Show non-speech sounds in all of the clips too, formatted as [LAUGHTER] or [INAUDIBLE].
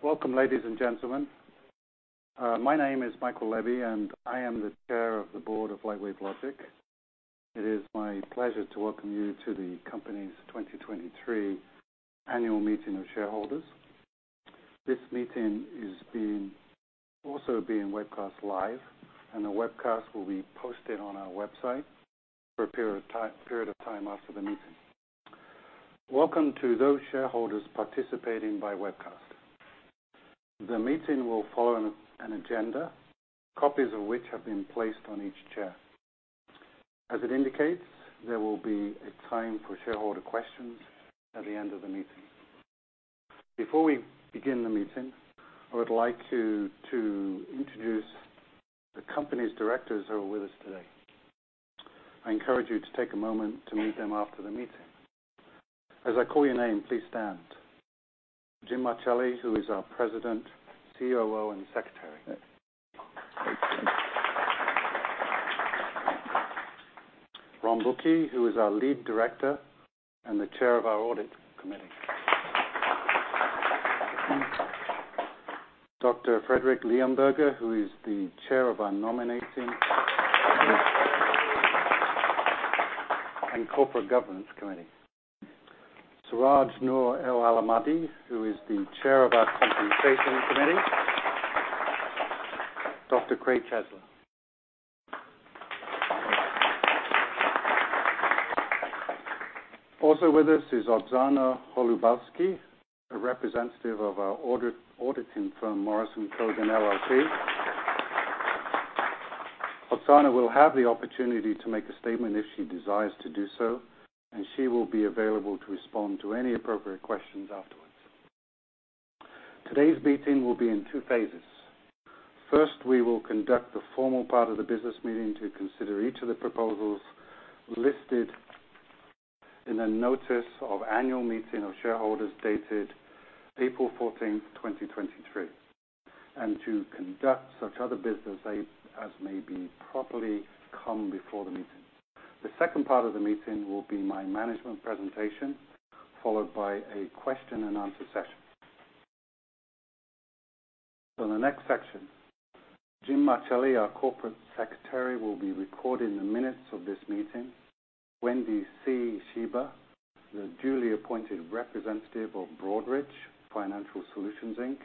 Welcome, ladies and gentlemen. My name is Michael Lebby, I am the Chair of the Board of Lightwave Logic. It is my pleasure to welcome you to the company's 2023 Annual Meeting of Shareholders. This meeting is also being webcast live, the webcast will be posted on our website for a period of time after the meeting. Welcome to those shareholders participating by webcast. The meeting will follow an agenda, copies of which have been placed on each chair. As it indicates, there will be a time for shareholder questions at the end of the meeting. Before we begin the meeting, I would like to introduce the company's directors who are with us today. I encourage you to take a moment to meet them after the meeting. As I call your name, please stand. Jim Marcelli, who is our President, COO, and Secretary. Ron Bucchi, who is our Lead Director and the Chair of our Audit Committee. Dr. Frederick J. Leonberger, who is the Chair of our Nominating and Corporate Governance Committee. Siraj Nour El-Ahmadi, who is the Chair of our Compensation Committee. Dr. Craig Ciesla. Also with us is Oxana Holubowsky, a representative of our auditing firm, Morison Cogen LLP. Oxana will have the opportunity to make a statement if she desires to do so, and she will be available to respond to any appropriate questions afterwards. Today's meeting will be in two phases. First, we will conduct the formal part of the business meeting to consider each of the proposals listed in a notice of annual meeting of shareholders dated April 14th, 2023, and to conduct such other business as may be properly come before the meeting. The second part of the meeting will be my management presentation, followed by a question-and-answer session. The next section, Jim Marcelli, our Corporate Secretary, will be recording the minutes of this meeting. Wendy C. Shiba, the duly appointed representative of Broadridge Financial Solutions, Inc.,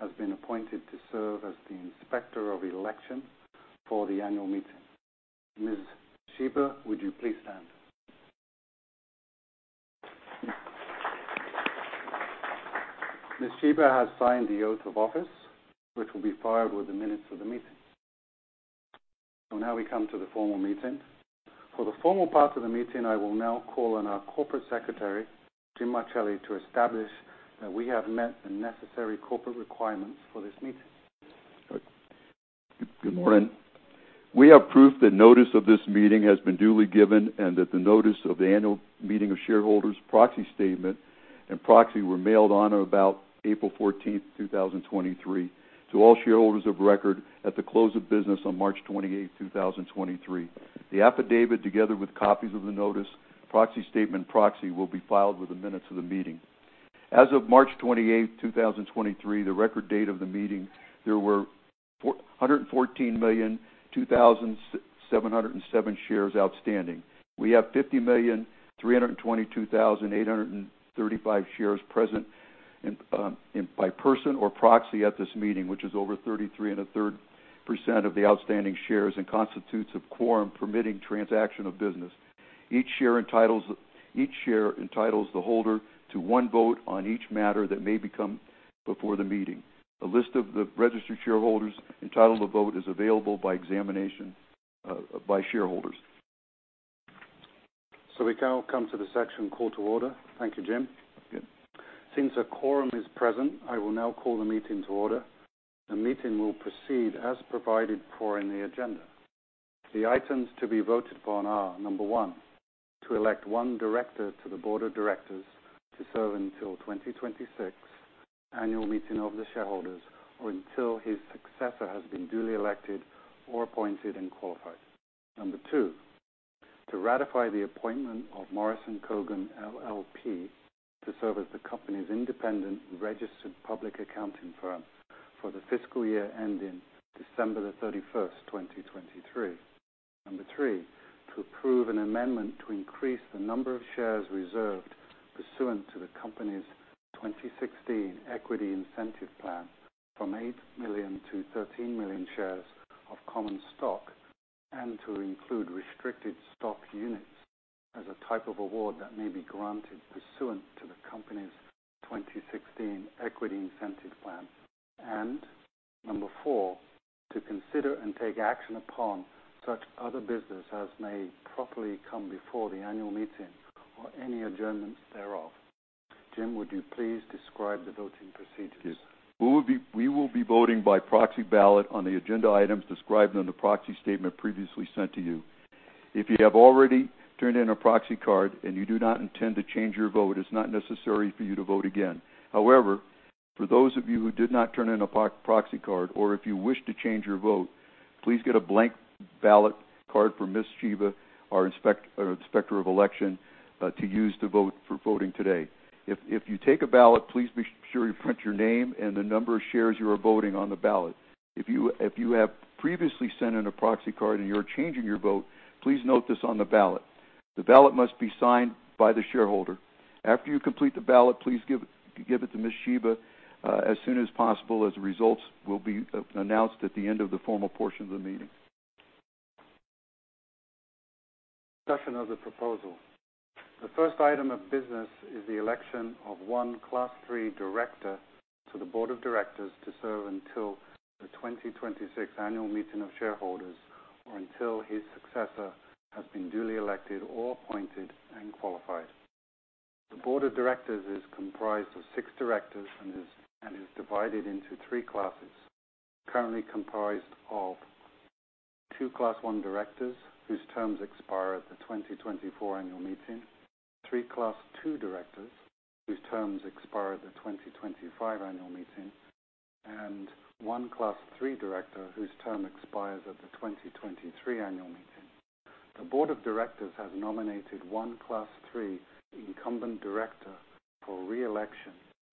has been appointed to serve as the Inspector of Election for the annual meeting. Ms. Shiba, would you please stand? Ms. Shiba has signed the oath of office, which will be filed with the minutes of the meeting. Now we come to the formal meeting. For the formal part of the meeting, I will now call on our Corporate Secretary, Jim Marcelli, to establish that we have met the necessary corporate requirements for this meeting. Good morning. We have proof that notice of this meeting has been duly given and that the notice of the annual meeting of shareholders proxy statement and proxy were mailed on or about April 14th 2023, to all shareholders of record at the close of business on March 28 2023. The affidavit, together with copies of the notice, proxy statement, proxy, will be filed with the minutes of the meeting. As of March 28 2023, the record date of the meeting, there were 414,002,707 shares outstanding. We have 50,322,835 shares present, in by person or proxy at this meeting, which is over 33 and a third percent of the outstanding shares and constitutes a quorum permitting transaction of business. Each share entitles the holder to one vote on each matter that may become before the meeting. A list of the registered shareholders entitled to vote is available by examination by shareholders. We now come to the section call to order. Thank you, Jim. Yeah. Since a quorum is present, I will now call the meeting to order. The meeting will proceed as provided for in the agenda. The items to be voted upon are: number one, to elect one director to the board of directors to serve until 2026 annual meeting of the shareholders or until his successor has been duly elected or appointed and qualified. Number two, to ratify the appointment of Morison Cogen LLP, to serve as the company's independent registered public accounting firm for the fiscal year ending December the 31st 2023. Number three, to approve an amendment to increase the number of shares reserved pursuant to the company's 2016 Equity Incentive Plan from 8,000,000 to 13,000,000 shares of common stock, and to include restricted stock units as a type of award that may be granted pursuant to the company's 2016 Equity Incentive Plan. Number four, to consider and take action upon such other business as may properly come before the annual meeting or any adjournments thereof. Jim, would you please describe the voting procedures? We will be voting by proxy ballot on the agenda items described on the proxy statement previously sent to you. If you have already turned in a proxy card and you do not intend to change your vote, it's not necessary for you to vote again. However, for those of you who did not turn in a proxy card or if you wish to change your vote. Please get a blank ballot card from Ms. Shiba, our inspector of election, to use to vote for voting today. If you take a ballot, please be sure you print your name and the number of shares you are voting on the ballot. If you have previously sent in a proxy card and you're changing your vote, please note this on the ballot. The ballot must be signed by the shareholder. After you complete the ballot, please give it to Ms. Shiba, as soon as possible, as the results will be announced at the end of the formal portion of the meeting. Discussion of the proposal. The first item of business is the election of one Class III director to the board of directors to serve until the 2026 Annual Meeting of Shareholders, or until his successor has been duly elected or appointed and qualified. The board of directors is comprised of six directors and is divided into three classes. Currently comprised of two Class I directors, whose terms expire at the 2024 annual meeting, three Class II directors, whose terms expire at the 2025 annual meeting, and one Class III director, whose term expires at the 2023 annual meeting. The board of directors has nominated one Class III incumbent director for re-election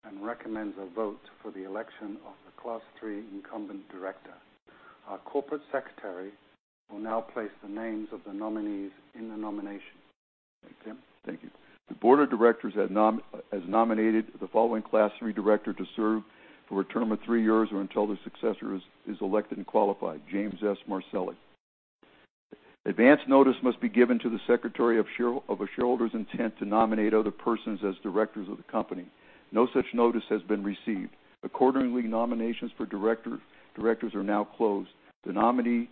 and recommends a vote for the election of the Class III incumbent director. Our corporate secretary will now place the names of the nominees in the nomination. Thank you, Jim. Thank you. The board of directors has nominated the following Class III director to serve for a term of three years or until the successor is elected and qualified: James S. Marcelli. Advanced notice must be given to the secretary of a shareholder's intent to nominate other persons as directors of the company. No such notice has been received. Accordingly, nominations for directors are now closed. The nominee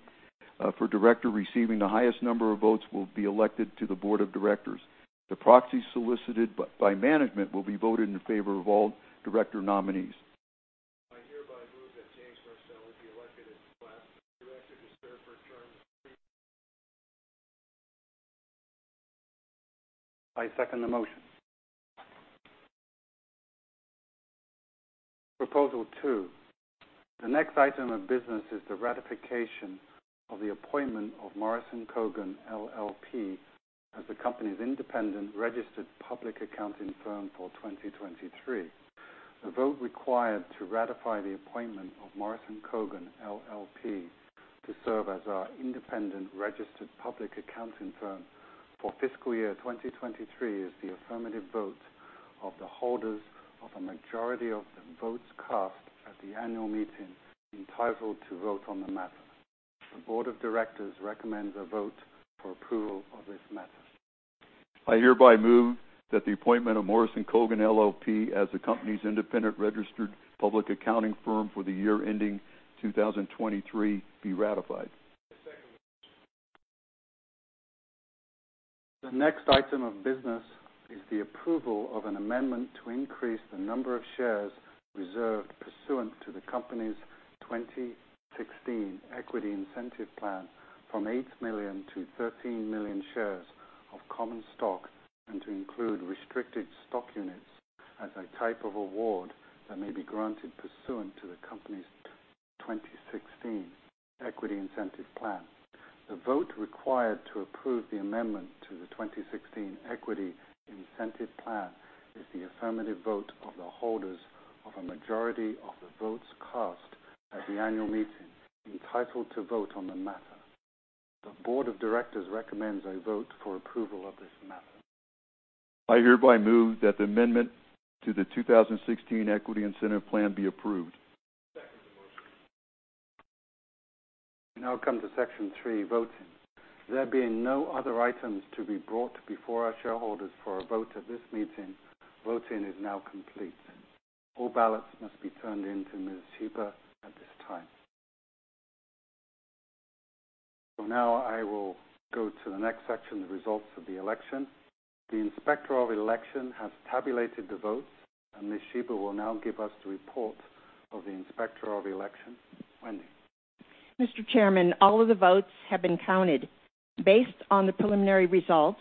for director receiving the highest number of votes will be elected to the board of directors. The proxies solicited by management will be voted in favor of all director nominees. I hereby move that James Marcelli be elected as Class III director to serve for a term- I second the motion. Proposal 2. The next item of business is the ratification of the appointment of Morison Cogen LLP as the company's independent registered public accounting firm for 2023. The vote required to ratify the appointment of Morison Cogen LLP to serve as our independent registered public accounting firm for fiscal year 2023, is the affirmative vote of the holders of a majority of the votes cast at the annual meeting, entitled to vote on the matter. The board of directors recommends a vote for approval of this matter. I hereby move that the appointment of Morison Cogen LLP as the company's independent registered public accounting firm for the year ending 2023 be ratified. I second the motion. The next item of business is the approval of an amendment to increase the number of shares reserved pursuant to the company's 2016 Equity Incentive Plan from 8,000,000 to 13,000,000 shares of common stock, and to include restricted stock units as a type of award that may be granted pursuant to the company's 2016 Equity Incentive Plan. The vote required to approve the amendment to the 2016 Equity Incentive Plan is the affirmative vote of the holders of a majority of the votes cast at the annual meeting, entitled to vote on the matter. The board of directors recommends a vote for approval of this matter. I hereby move that the amendment to the 2016 Equity Incentive Plan be approved. I second the motion. We now come to section three, voting. There being no other items to be brought before our shareholders for a vote at this meeting, voting is now complete. All ballots must be turned in to Ms. Shiba at this time. Now I will go to the next section, the results of the election. The inspector of election has tabulated the votes, and Ms. Shiba will now give us the report of the inspector of election. Wendy. Mr. Chairman, all of the votes have been counted. Based on the preliminary results,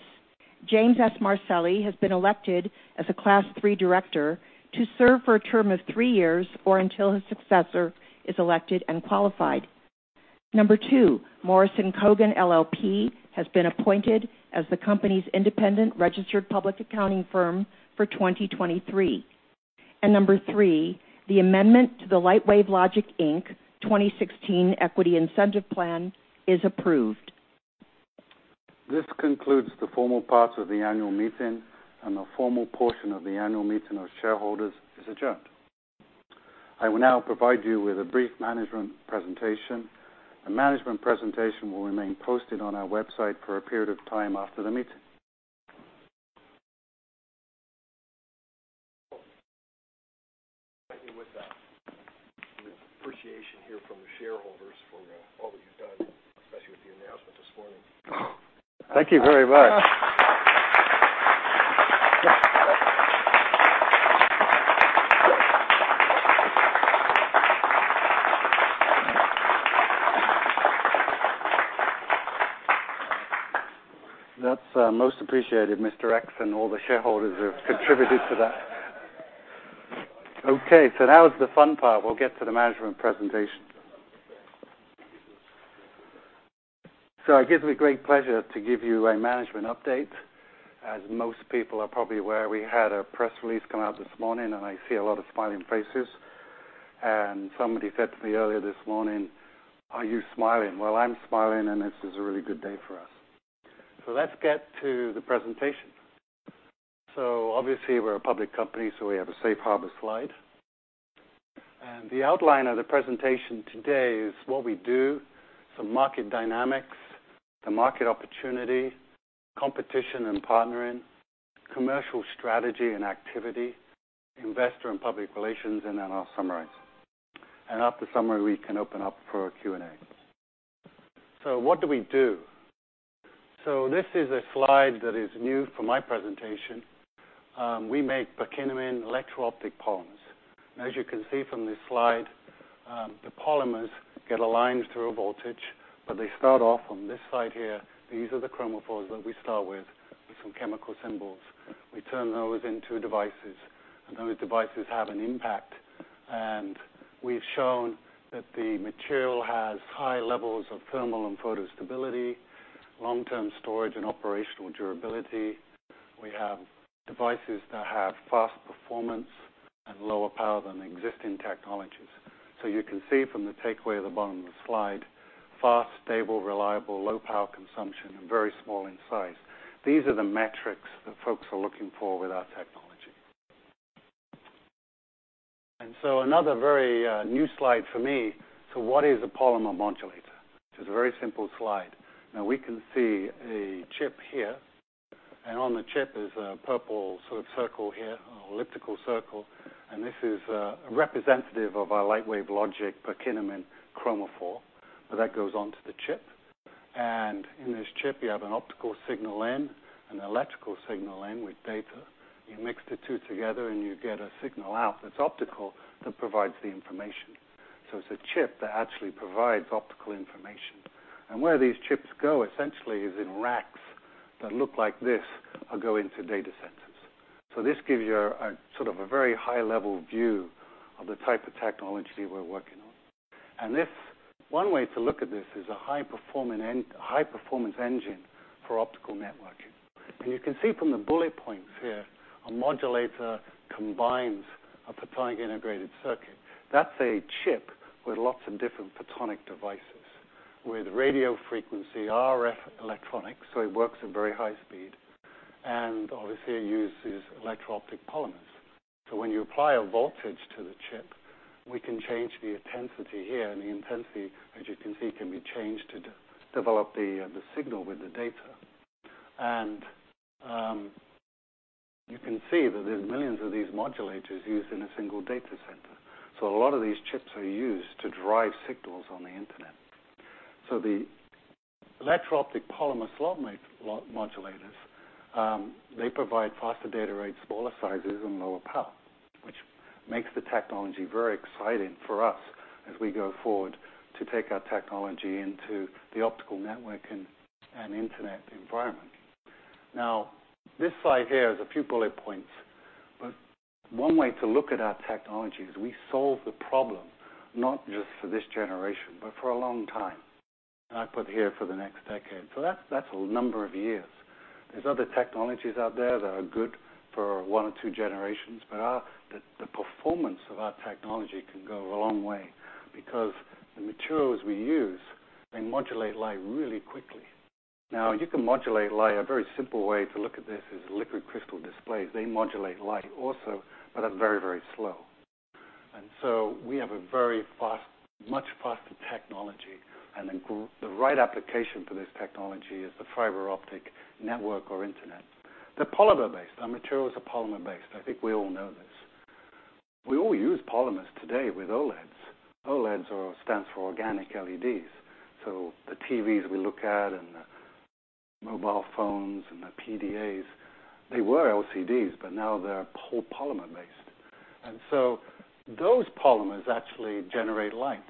James S. Marcelli has been elected as a Class III director to serve for a term of three years, or until his successor is elected and qualified. Number two, Morison Cogen LLP has been appointed as the company's independent registered public accounting firm for 2023. Number three, the amendment to the Lightwave Logic, Inc. 2016 Equity Incentive Plan is approved. This concludes the formal parts of the annual meeting, and the formal portion of the annual meeting of shareholders is adjourned. I will now provide you with a brief management presentation. The management presentation will remain posted on our website for a period of time after the meeting. With appreciation here from the shareholders for, all that you've done, especially with the announcement this morning. Thank you very much. That's most appreciated, Mr. X, and all the shareholders have contributed to that. Now it's the fun part. We'll get to the management presentation. It gives me great pleasure to give you a management update. As most people are probably aware, we had a press release come out this morning, and I see a lot of smiling faces. Somebody said to me earlier this morning: "Are you smiling?" I'm smiling, and this is a really good day for us. Let's get to the presentation. Obviously, we're a public company, so we have a safe harbor slide. The outline of the presentation today is what we do, some market dynamics, the market opportunity, competition and partnering, commercial strategy and activity, investor and public relations, and then I'll summarize. After summary, we can open up for Q&A. What do we do? This is a slide that is new for my presentation. We make Perkinamine electro-optic polymers. As you can see from this slide, the polymers get aligned through a voltage, but they start off on this side here. These are the chromophores that we start with some chemical symbols. We turn those into devices, and those devices have an impact. We've shown that the material has high levels of thermal and photostability, long-term storage, and operational durability. We have devices that have fast performance and lower power than existing technologies. You can see from the takeaway at the bottom of the slide, fast, stable, reliable, low power consumption, and very small in size. These are the metrics that folks are looking for with our technology. Another very new slide for me. What is a polymer modulator? Which is a very simple slide. Now we can see a chip here, and on the chip is a purple sort of circle here, an elliptical circle, and this is representative of our Lightwave Logic Perkinamine chromophore. That goes on to the chip. In this chip, you have an optical signal in, an electrical signal in with data. You mix the two together and you get a signal out that's optical, that provides the information. It's a chip that actually provides optical information. Where these chips go, essentially, is in racks that look like this or go into data centers. This gives you a sort of a very high-level view of the type of technology we're working on. This, one way to look at this is a high-performance engine for optical networking. You can see from the bullet points here, a modulator combines a photonic integrated circuit. That's a chip with lots of different photonic devices, with radio frequency, RF electronics, so it works at very high speed. Obviously, it uses electro-optic polymers. When you apply a voltage to the chip, we can change the intensity here, and the intensity, as you can see, can be changed to develop the signal with the data. You can see that there's millions of these modulators used in a single data center. A lot of these chips are used to drive signals on the Internet. The electro-optic polymer slot modulators, they provide faster data rates, smaller sizes, and lower power, which makes the technology very exciting for us as we go forward to take our technology into the optical network and Internet environment. This slide here is a few bullet points, but one way to look at our technology is we solve the problem, not just for this generation, but for a long time. I put here for the next decade. That's a number of years. There's other technologies out there that are good for one or two generations, but the performance of our technology can go a long way because the materials we use, they modulate light really quickly. You can modulate light. A very simple way to look at this is liquid crystal displays. They modulate light also, but are very, very slow. We have a very fast, much faster technology, and then the right application for this technology is the fiber optic network or Internet. They're polymer-based. Our materials are polymer-based. I think we all know this. We all use polymers today with OLEDs. OLEDs are, stands for organic LEDs, so the TVs we look at and the mobile phones and the PDAs, they were LCDs, but now they're polymer-based. Those polymers actually generate light.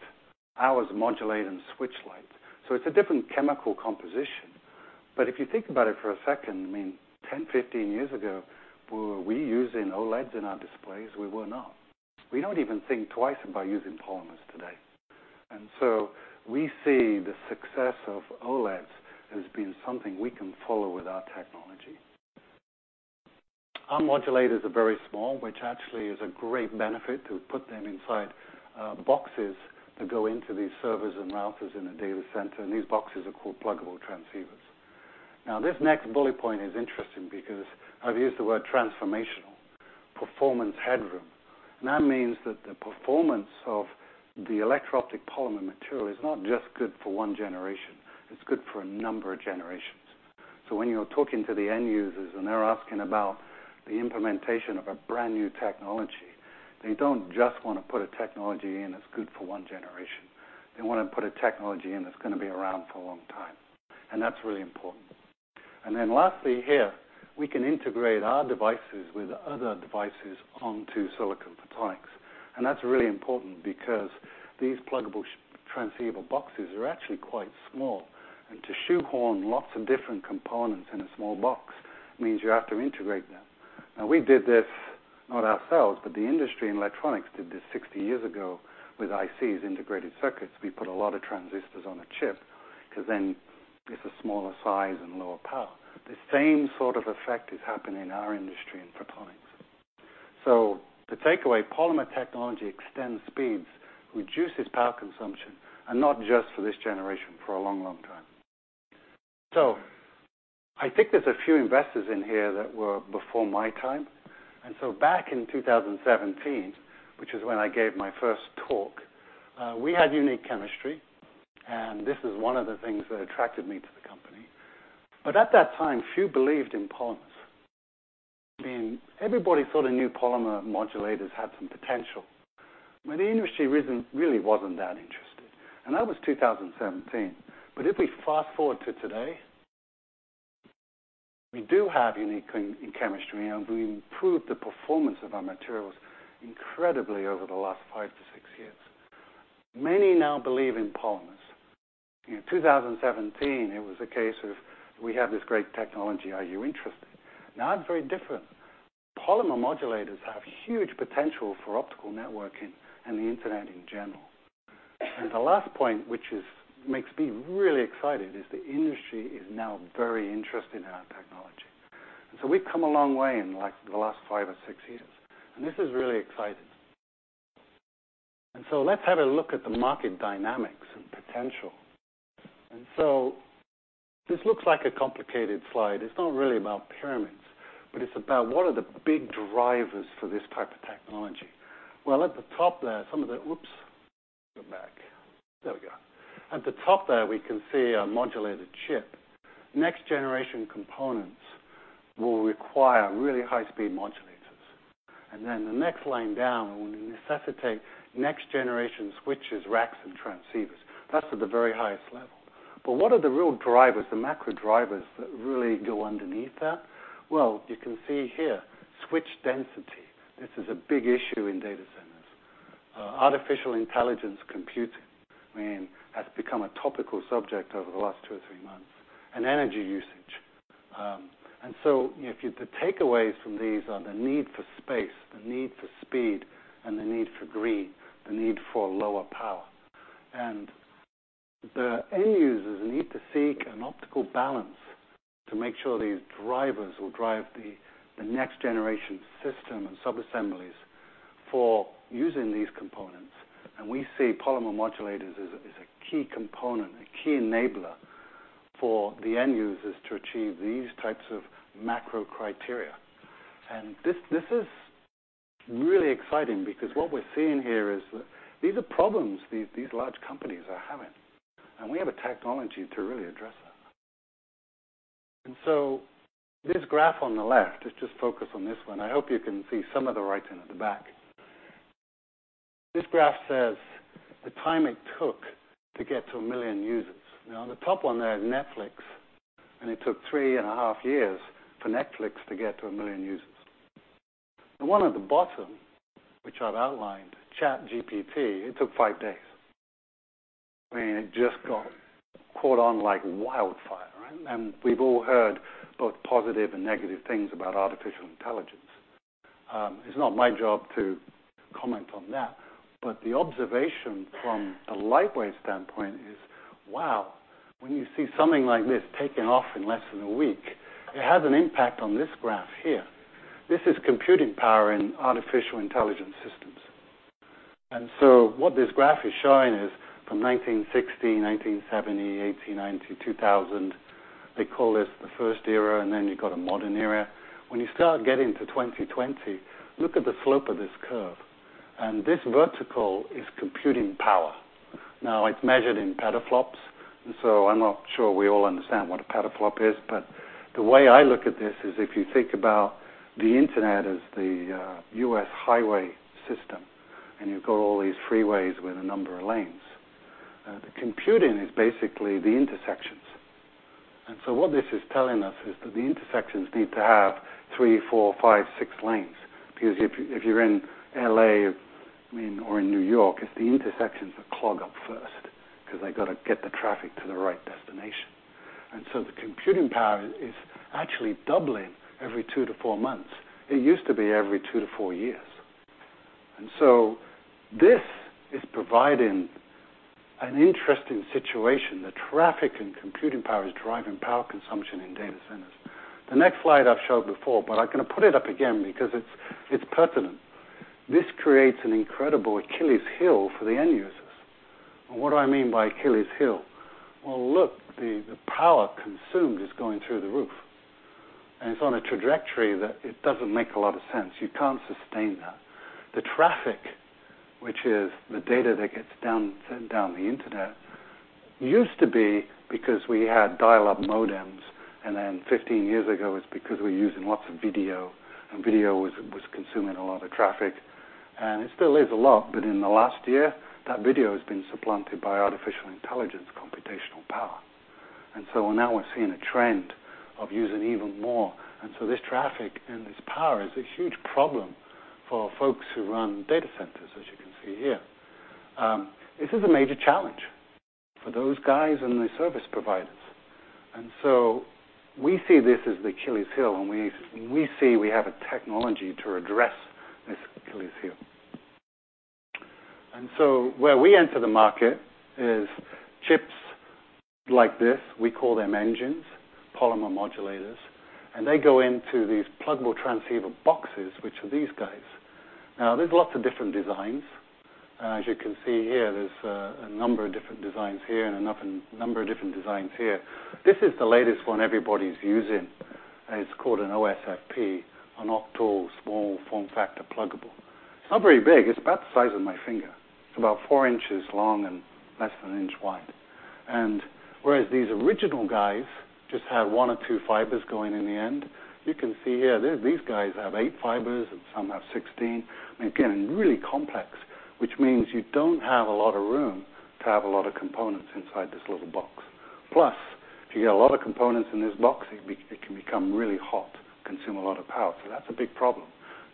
Ours modulate and switch light, so it's a different chemical composition. If you think about it for a second, I mean, 10, 15 years ago, were we using OLEDs in our displays? We were not. We don't even think twice about using polymers today. We see the success of OLEDs as being something we can follow with our technology. Our modulators are very small, which actually is a great benefit to put them inside, boxes that go into these servers and routers in a data center, and these boxes are called pluggable transceivers. This next bullet point is interesting because I've used the word transformational, performance headroom. That means that the performance of the electro-optic polymer material is not just good for one generation, it's good for a number of generations. When you're talking to the end users and they're asking about the implementation of a brand-new technology, they don't just want to put a technology in that's good for one generation. They want to put a technology in that's going to be around for a long time, and that's really important. Lastly, here, we can integrate our devices with other devices onto silicon photonics. That's really important because these pluggable transceiver boxes are actually quite small, and to shoehorn lots of different components in a small box means you have to integrate them. We did this, not ourselves, but the industry in electronics did this 60 years ago with ICs, integrated circuits. We put a lot of transistors on a chip because then it's a smaller size and lower power. The same sort of effect is happening in our industry, in photonics. The takeaway, polymer technology extends speeds, reduces power consumption, and not just for this generation, for a long, long time. I think there's a few investors in here that were before my time. Back in 2017, which is when I gave my first talk, we had unique chemistry, and this is one of the things that attracted me to the company. At that time, few believed in polymers. I mean, everybody thought a new polymer modulators had some potential, but the industry reason really wasn't that interested, and that was 2017. If we fast forward to today, we do have unique in chemistry, and we improved the performance of our materials incredibly over the last five to six years. Many now believe in polymers. In 2017, it was a case of, we have this great technology, are you interested? Now, it's very different. Polymer modulators have huge potential for optical networking and the internet in general. The last point, which makes me really excited, is the industry is now very interested in our technology. We've come a long way in, like, the last five or six years, and this is really exciting. Let's have a look at the market dynamics and potential. This looks like a complicated slide. It's not really about pyramids, but it's about what are the big drivers for this type of technology. Well, at the top there. Oops, go back. There we go. At the top there, we can see a modulator chip. Next generation components will require really high-speed modulators, and then the next line down will necessitate next generation switches, racks, and transceivers. That's at the very highest level. What are the real drivers, the macro drivers, that really go underneath that? Well, you can see here, switch density. This is a big issue in data centers. Artificial intelligence computing, I mean, has become a topical subject over the last two or three months, and energy usage. The takeaways from these are the need for space, the need for speed, and the need for green, the need for lower power. The end users need to seek an optical balance to make sure these drivers will drive the next generation system and subassemblies for using these components. We see polymer modulators as a key component, a key enabler for the end users to achieve these types of macro criteria. This is really exciting because what we're seeing here is that these are problems, these large companies are having, and we have a technology to really address that. This graph on the left, let's just focus on this one. I hope you can see some of the writing at the back. This graph says the time it took to get to 1,000,000 users. On the top one there is Netflix, and it took three and a half years for Netflix to get to 1,000,000 users. The one at the bottom, which I've outlined, ChatGPT, it took five days. I mean, it just got caught on like wildfire, right? We've all heard both positive and negative things about artificial intelligence. It's not my job to comment on that, but the observation from a Lightwave Logic standpoint is, wow, when you see something like this taking off in less than a week, it has an impact on this graph here. This is computing power in artificial intelligence systems. What this graph is showing is from 1960, 1970, 1890, 2000, they call this the first era, and then you've got a modern era. When you start getting to 2020, look at the slope of this curve, and this vertical is computing power. Now, it's measured in petaflops, and so I'm not sure we all understand what a petaflop is, but the way I look at this is if you think about the Internet as the U.S. highway system, and you've got all these freeways with a number of lanes. The computing is basically the intersections. What this is telling us is that the intersections need to have three, four, five, six lanes, because if you, if you're in L.A., I mean, or in New York, it's the intersections that clog up first because they got to get the traffic to the right destination. The computing power is actually doubling every two to four months. It used to be every two to four years. This is providing an interesting situation. The traffic and computing power is driving power consumption in data centers. The next slide I've showed before, but I'm gonna put it up again because it's pertinent. This creates an incredible Achilles heel for the end users. What do I mean by Achilles heel? Well, look, the power consumed is going through the roof, and it's on a trajectory that it doesn't make a lot of sense. You can't sustain that. The traffic, which is the data that gets down the Internet, used to be because we had dial-up modems, and then 15 years ago, it's because we're using lots of video, and video was consuming a lot of traffic, and it still is a lot, but in the last year, that video has been supplanted by artificial intelligence computational power. Now we're seeing a trend of using even more, and so this traffic and this power is a huge problem for folks who run data centers, as you can see here. This is a major challenge for those guys and the service providers. We see this as the Achilles heel, and we see we have a technology to address this Achilles heel. Where we enter the market is chips like this. We call them engines, polymer modulators, and they go into these pluggable transceiver boxes, which are these guys. Now, there's lots of different designs. As you can see here, there's a number of different designs here and another number of different designs here. This is the latest one everybody's using, and it's called an OSFP, an octal small form factor pluggable. It's not very big. It's about the size of my finger, about 4 inches long and less than 1 inch wide. Whereas these original guys just had one or two fibers going in the end, you can see here, these guys have eight fibers, and some have 16. Again, really complex, which means you don't have a lot of room to have a lot of components inside this little box. Plus, if you get a lot of components in this box, it can become really hot, consume a lot of power. That's a big problem.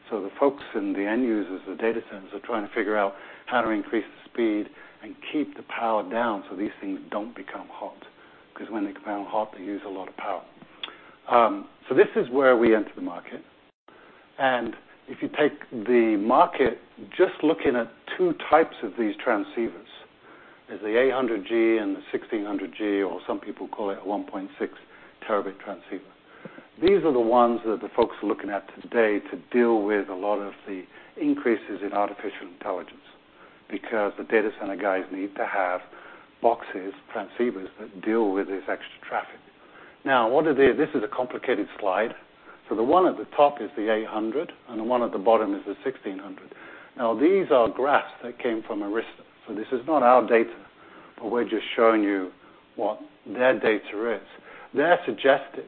The folks and the end users, the data centers, are trying to figure out how to increase the speed and keep the power down so these things don't become hot, 'cause when they become hot, they use a lot of power. This is where we enter the market. If you take the market, just looking at two types of these transceivers, there's the 800 G and the 1,600 G, or some people call it a 1.6 terabit transceiver. These are the ones that the folks are looking at today to deal with a lot of the increases in artificial intelligence, because the data center guys need to have boxes, transceivers, that deal with this extra traffic. This is a complicated slide. The one at the top is the 800, and the one at the bottom is the 1,600. These are graphs that came from Arista, so this is not our data, but we're just showing you what their data is. They're suggesting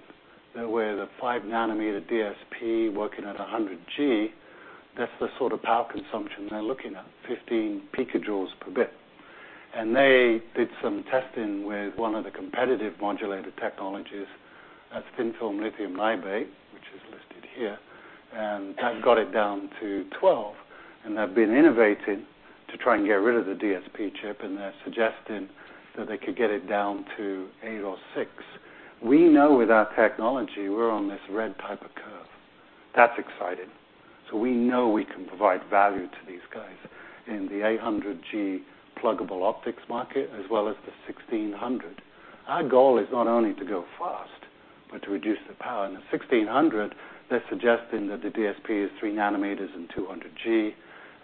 that with a 5-nanometer DSP working at a 100 G, that's the sort of power consumption they're looking at, 15 picojoules per bit. They did some testing with one of the competitive modulator technologies, that's thin-film lithium niobate, which is listed here, and they've got it down to 12, and they've been innovating to try and get rid of the DSP chip, and they're suggesting that they could get it down to eight or six. We know with our technology, we're on this red type of curve. That's exciting. We know we can provide value to these guys in the 800 G pluggable optics market, as well as the 1,600. Our goal is not only to go fast, but to reduce the power. In the 1,600, they're suggesting that the DSP is 3 nanometers and 200 G,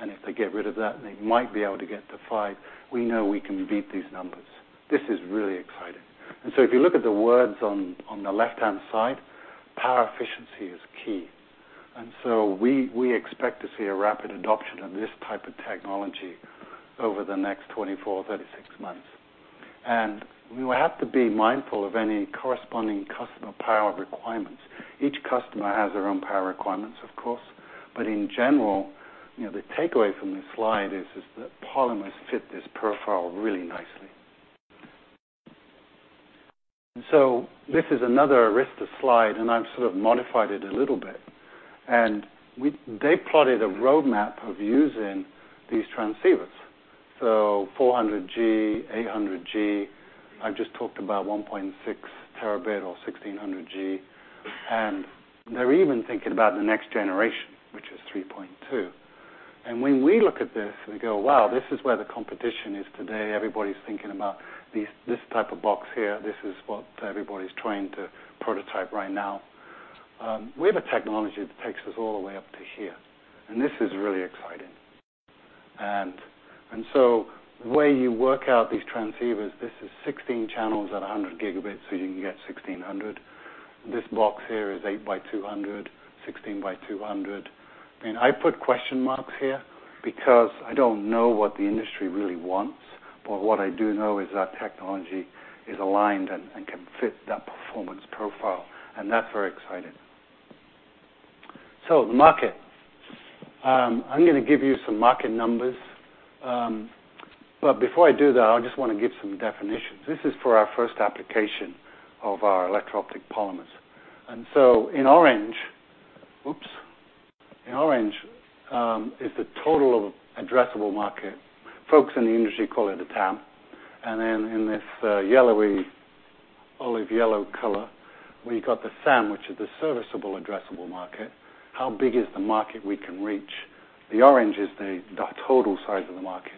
and if they get rid of that, they might be able to get to five. We know we can beat these numbers. This is really exciting. If you look at the words on the left-hand side, power efficiency is key. We expect to see a rapid adoption of this type of technology over the next 24, 36 months. We will have to be mindful of any corresponding customer power requirements. Each customer has their own power requirements, of course, but in general, you know, the takeaway from this slide is that polymers fit this profile really nicely. This is another Arista slide, and I've sort of modified it a little bit. They plotted a roadmap of using these transceivers, so 400 G, 800 G. I've just talked about 1.6 terabit or 1,600 G, and they're even thinking about the next generation, which is 3.2. When we look at this, we go, "Wow, this is where the competition is today." Everybody's thinking about this type of box here. This is what everybody's trying to prototype right now. We have a technology that takes us all the way up to here, and this is really exciting. The way you work out these transceivers, this is 16 channels at 100 gigabits, so you can get 1,600. This box here is eight by 200, 16 by 200. I put question marks here because I don't know what the industry really wants, but what I do know is our technology is aligned and can fit that performance profile, and that's very exciting. The market. I'm gonna give you some market numbers. Before I do that, I just wanna give some definitions. This is for our first application of our electro-optic polymers. In orange, is the total of addressable market. Folks in the industry call it a TAM. In this yellowy, olive yellow color, we got the SAM, which is the serviceable addressable market. How big is the market we can reach? The orange is the total size of the market,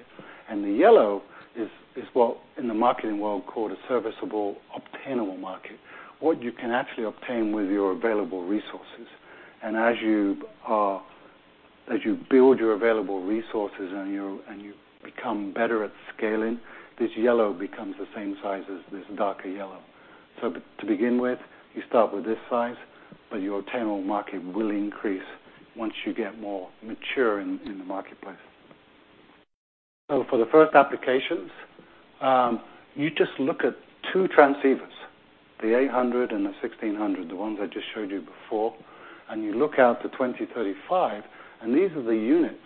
and the yellow is what in the marketing world called a serviceable, obtainable market. What you can actually obtain with your available resources. As you build your available resources and you become better at scaling, this yellow becomes the same size as this darker yellow. To begin with, you start with this size, but your obtainable market will increase once you get more mature in the marketplace. For the first applications, you just look at two transceivers, the 800 and the 1,600, the ones I just showed you before. You look out to 2035, these are the units.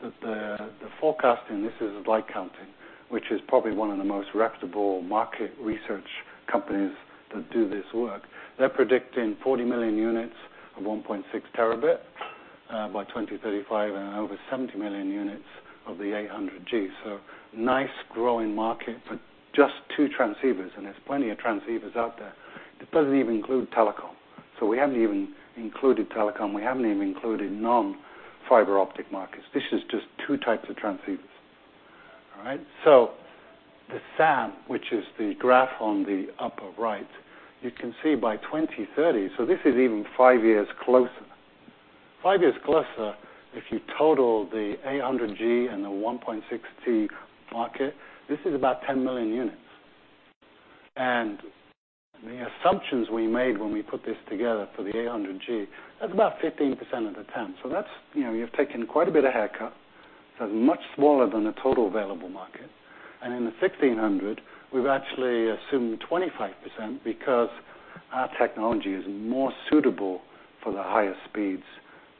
The forecasting, this is LightCounting, which is probably one of the most reputable market research companies that do this work. They're predicting 40 million units of 1.6 terabit, by 2035, and over 70,000,000 units of the 800G. nice growing market, but just two transceivers, and there's plenty of transceivers out there. It doesn't even include telecom. We haven't even included telecom. We haven't even included non-fiber optic markets. This is just two types of transceivers. All right? The SAM, which is the graph on the upper right, you can see by 2030, this is even five years closer. Five years closer, if you total the 800 G and the 1.6 T market, this is about 10,000,000 units. The assumptions we made when we put this together for the 800 G, that's about 15% of the TAM. That's, you know, you've taken quite a bit of haircut, so much smaller than the total available market. In the 1,600, we've actually assumed 25% because our technology is more suitable for the higher speeds,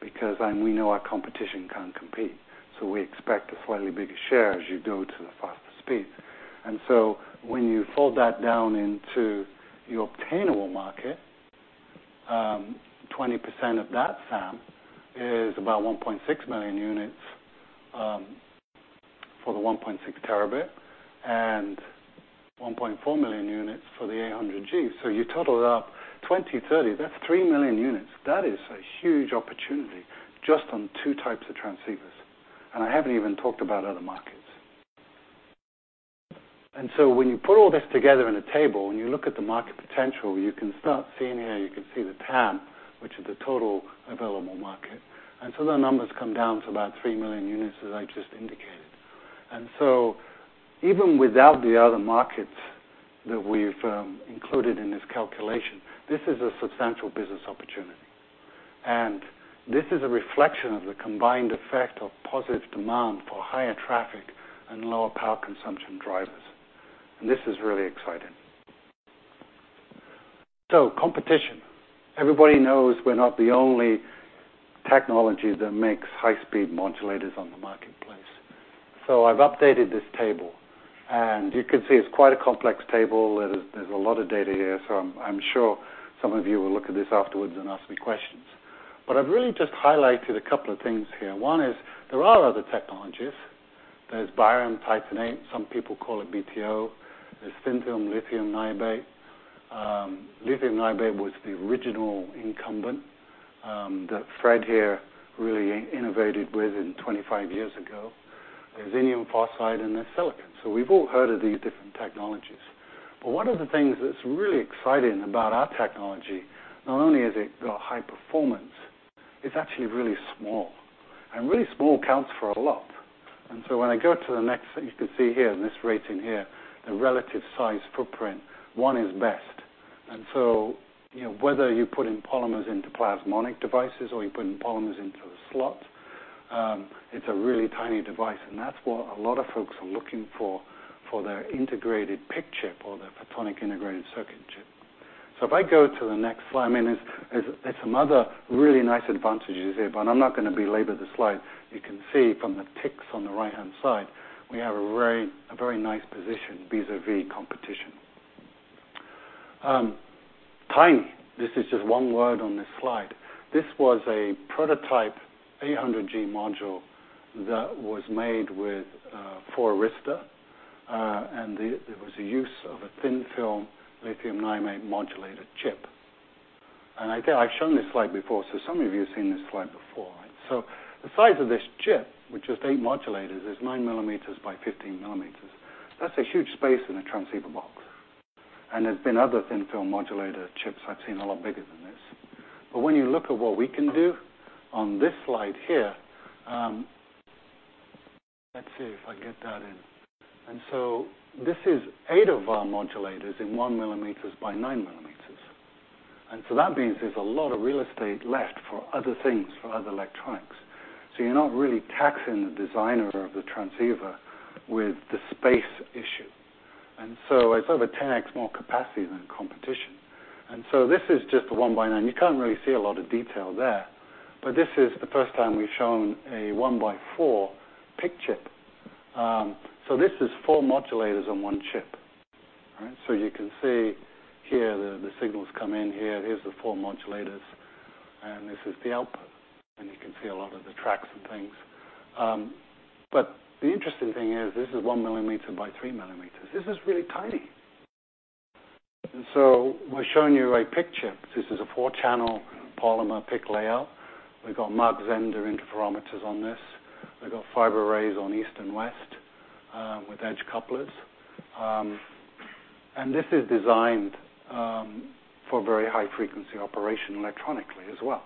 because we know our competition can't compete, so we expect a slightly bigger share as you go to the faster speeds. When you fold that down into the obtainable market, 20% of that SAM is about 1.600,000 units for the 1.6 terabit, and 1.400,000 units for the 800 G. You total it up, 2030, that's 3,000,000 units. That is a huge opportunity just on two types of transceivers, and I haven't even talked about other markets. When you put all this together in a table, and you look at the market potential, you can start seeing here, you can see the TAM, which is the total available market. The numbers come down to about 3,000,000 units, as I just indicated. Even without the other markets that we've included in this calculation, this is a substantial business opportunity. This is a reflection of the combined effect of positive demand for higher traffic and lower power consumption drivers. This is really exciting. Competition. Everybody knows we're not the only technology that makes high-speed modulators on the marketplace. I've updated this table, and you can see it's quite a complex table. There's a lot of data here, I'm sure some of you will look at this afterwards and ask me questions. I've really just highlighted a couple of things here. One is, there are other technologies. There's barium titanate, some people call it BTO. There's thin-film lithium niobate. Lithium niobate was the original incumbent, that Fred here really innovated with in 25 years ago. There's indium phosphide, and there's silicon. We've all heard of these different technologies. One of the things that's really exciting about our technology, not only has it got high performance, it's actually really small, and really small counts for a lot. When I go to the next thing, you can see here in this rating here, the relative size footprint, one is best. You know, whether you're putting polymers into plasmonic devices or you're putting polymers into a slot, it's a really tiny device, and that's what a lot of folks are looking for their integrated PIC chip or their photonic integrated circuit chip. If I go to the next slide, I mean, there's some other really nice advantages here, but I'm not gonna belabor the slide. You can see from the ticks on the right-hand side, we have a very nice position vis-à-vis competition. Tiny, this is just one word on this slide. This was a prototype 800 G module that was made with for Arista, there was a use of a thin-film lithium niobate modulator chip. I've shown this slide before, so some of you have seen this slide before, right? The size of this chip, which is eight modulators, is 9 millimeters by 15 millimeters. That's a huge space in a transceiver box. There's been other thin-film modulator chips I've seen a lot bigger than this. When you look at what we can do on this slide here. Let's see if I can get that in. This is eight of our modulators in 1 millimeters by 9 millimeters. That means there's a lot of real estate left for other things, for other electronics. You're not really taxing the designer of the transceiver with the space issue. It's over 10x more capacity than competition. This is just a one by nine. You can't really see a lot of detail there, but this is the first time we've shown a one by four PIC chip. This is four modulators on one chip. All right? You can see here, the signals come in here. Here's the four modulators, and this is the output, and you can see a lot of the tracks and things. The interesting thing is this is one millimeter by 3 millimeters. This is really tiny. We're showing you a PIC chip. This is a four-channel polymer PIC layout. We've got Mach-Zehnder interferometers on this. We've got fiber arrays on east and west, with edge couplers. This is designed for very high frequency operation electronically as well.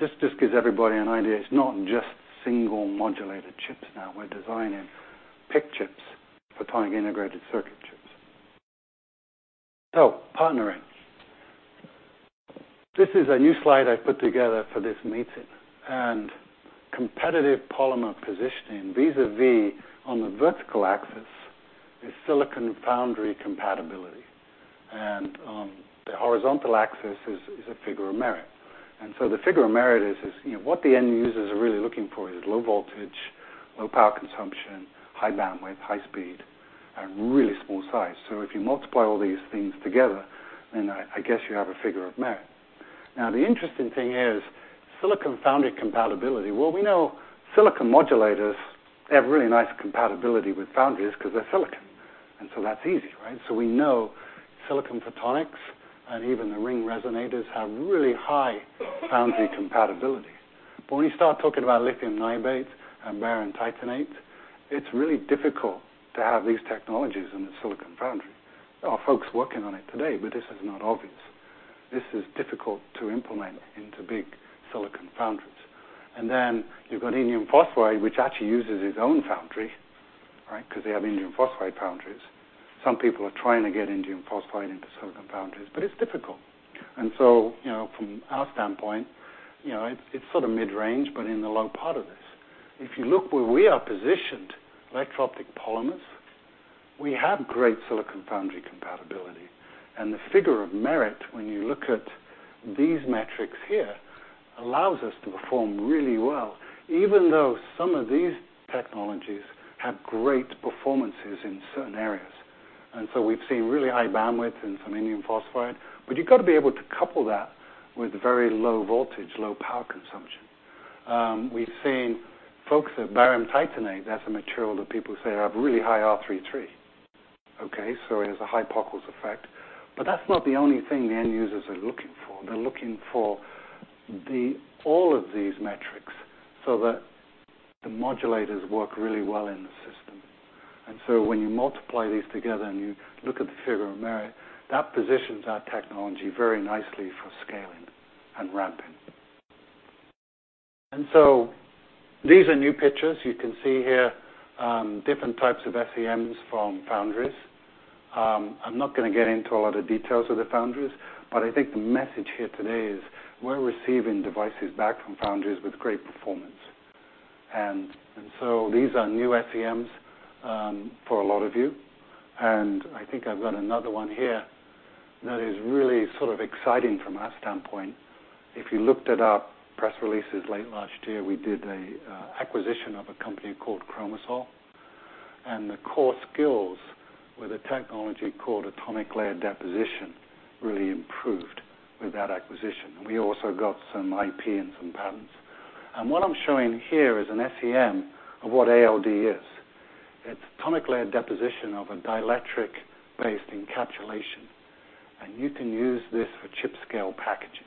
This just gives everybody an idea. It's not just single modulator chips now. We're designing PIC chips, photonic integrated circuit chips. Partnering. This is a new slide I put together for this meeting, and competitive polymer positioning. Vis-à-vis, on the vertical axis, is silicon foundry compatibility. The horizontal axis is a figure of merit. The figure of merit is, you know, what the end users are really looking for is low voltage, low power consumption, high bandwidth, high speed, and really small size. If you multiply all these things together, then I guess you have a figure of merit. Now, the interesting thing is silicon foundry compatibility. We know silicon modulators have really nice compatibility with foundries because they're silicon. That's easy, right? We know silicon photonics and even the ring resonators have really high foundry compatibility. When you start talking about lithium niobate and barium titanate, it's really difficult to have these technologies in a silicon foundry. There are folks working on it today, but this is not obvious. This is difficult to implement into big silicon foundries. Then you've got indium phosphide, which actually uses its own foundry, right? Because they have indium phosphide foundries. Some people are trying to get indium phosphide into silicon foundries, but it's difficult. You know, from our standpoint, you know, it's sort of mid-range, but in the low part of this. If you look where we are positioned, electro-optic polymers, we have great silicon foundry compatibility. The figure of merit, when you look at these metrics here, allows us to perform really well, even though some of these technologies have great performances in certain areas. We've seen really high bandwidth in some indium phosphide, but you've got to be able to couple that with very low voltage, low power consumption. We've seen folks at barium titanate, that's a material that people say have really high r33. It has a high Pockels effect, but that's not the only thing the end users are looking for. They're looking for all of these metrics so that the modulators work really well in the system. When you multiply these together and you look at the figure of merit, that positions our technology very nicely for scaling and ramping. These are new pictures. You can see here, different types of SEMs from foundries. I'm not going to get into a lot of details of the foundries, but I think the message here today is we're receiving devices back from foundries with great performance. These are new SEMs for a lot of you, and I think I've got another one here that is really sort of exciting from our standpoint. If you looked at our press releases late last year, we did a acquisition of a company called Chromosol, and the core skills with a technology called atomic layer deposition really improved with that acquisition. We also got some IP and some patents. What I'm showing here is an SEM of what ALD is. It's atomic layer deposition of a dielectric-based encapsulation, and you can use this for chip-scale packaging.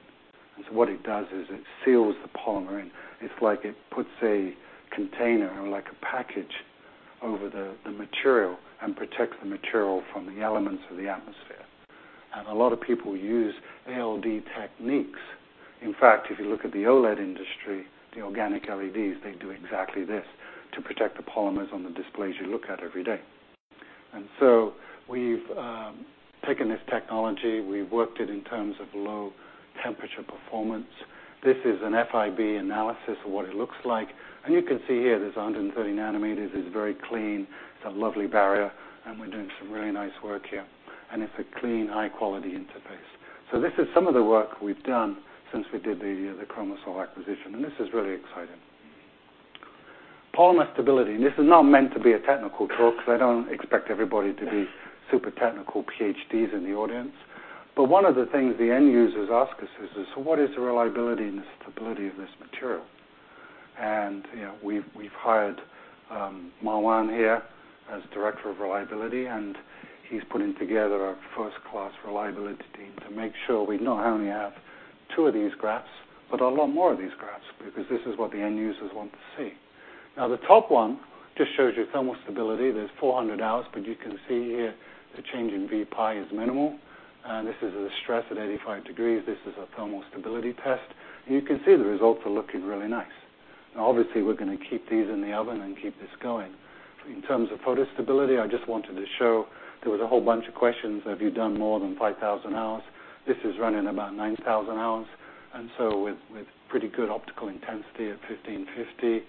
What it does is it seals the polymer, and it's like it puts a container or like a package over the material and protects the material from the elements of the atmosphere. A lot of people use ALD techniques. In fact, if you look at the OLED industry, the organic LEDs, they do exactly this to protect the polymers on the displays you look at every day. We've taken this technology. We've worked it in terms of low temperature performance. This is an FIB analysis of what it looks like. You can see here, this 130 nanometers is very clean. It's a lovely barrier, and we're doing some really nice work here, and it's a clean, high quality interface. This is some of the work we've done since we did the Chromosol acquisition. This is really exciting. Polymer stability. This is not meant to be a technical talk, so I don't expect everybody to be super technical PhDs in the audience. One of the things the end users ask us is, "So what is the reliability and the stability of this material?" You know, we've hired Marwan here as Director of Reliability, and he's putting together a first-class reliability team to make sure we not only have two of these graphs, but a lot more of these graphs, because this is what the end users want to see. The top one just shows you thermal stability. There's 400 hours, but you can see here the change in Vπ is minimal, and this is a stress at 85 degrees. This is a thermal stability test. You can see the results are looking really nice. Obviously, we're going to keep these in the oven and keep this going. In terms of photostability, I just wanted to show there was a whole bunch of questions: Have you done more than 5,000 hours? This is running about 9,000 hours, and with pretty good optical intensity of 1550.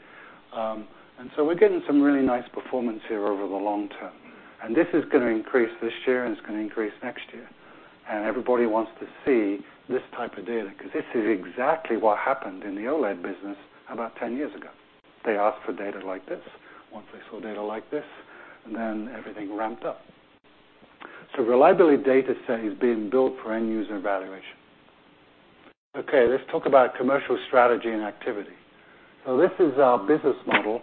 We're getting some really nice performance here over the long term. This is going to increase this year, and it's going to increase next year. Everybody wants to see this type of data, because this is exactly what happened in the OLED business about 10 years ago. They asked for data like this. Once they saw data like this, then everything ramped up. Reliability data set is being built for end user evaluation. Let's talk about commercial strategy and activity. This is our business model.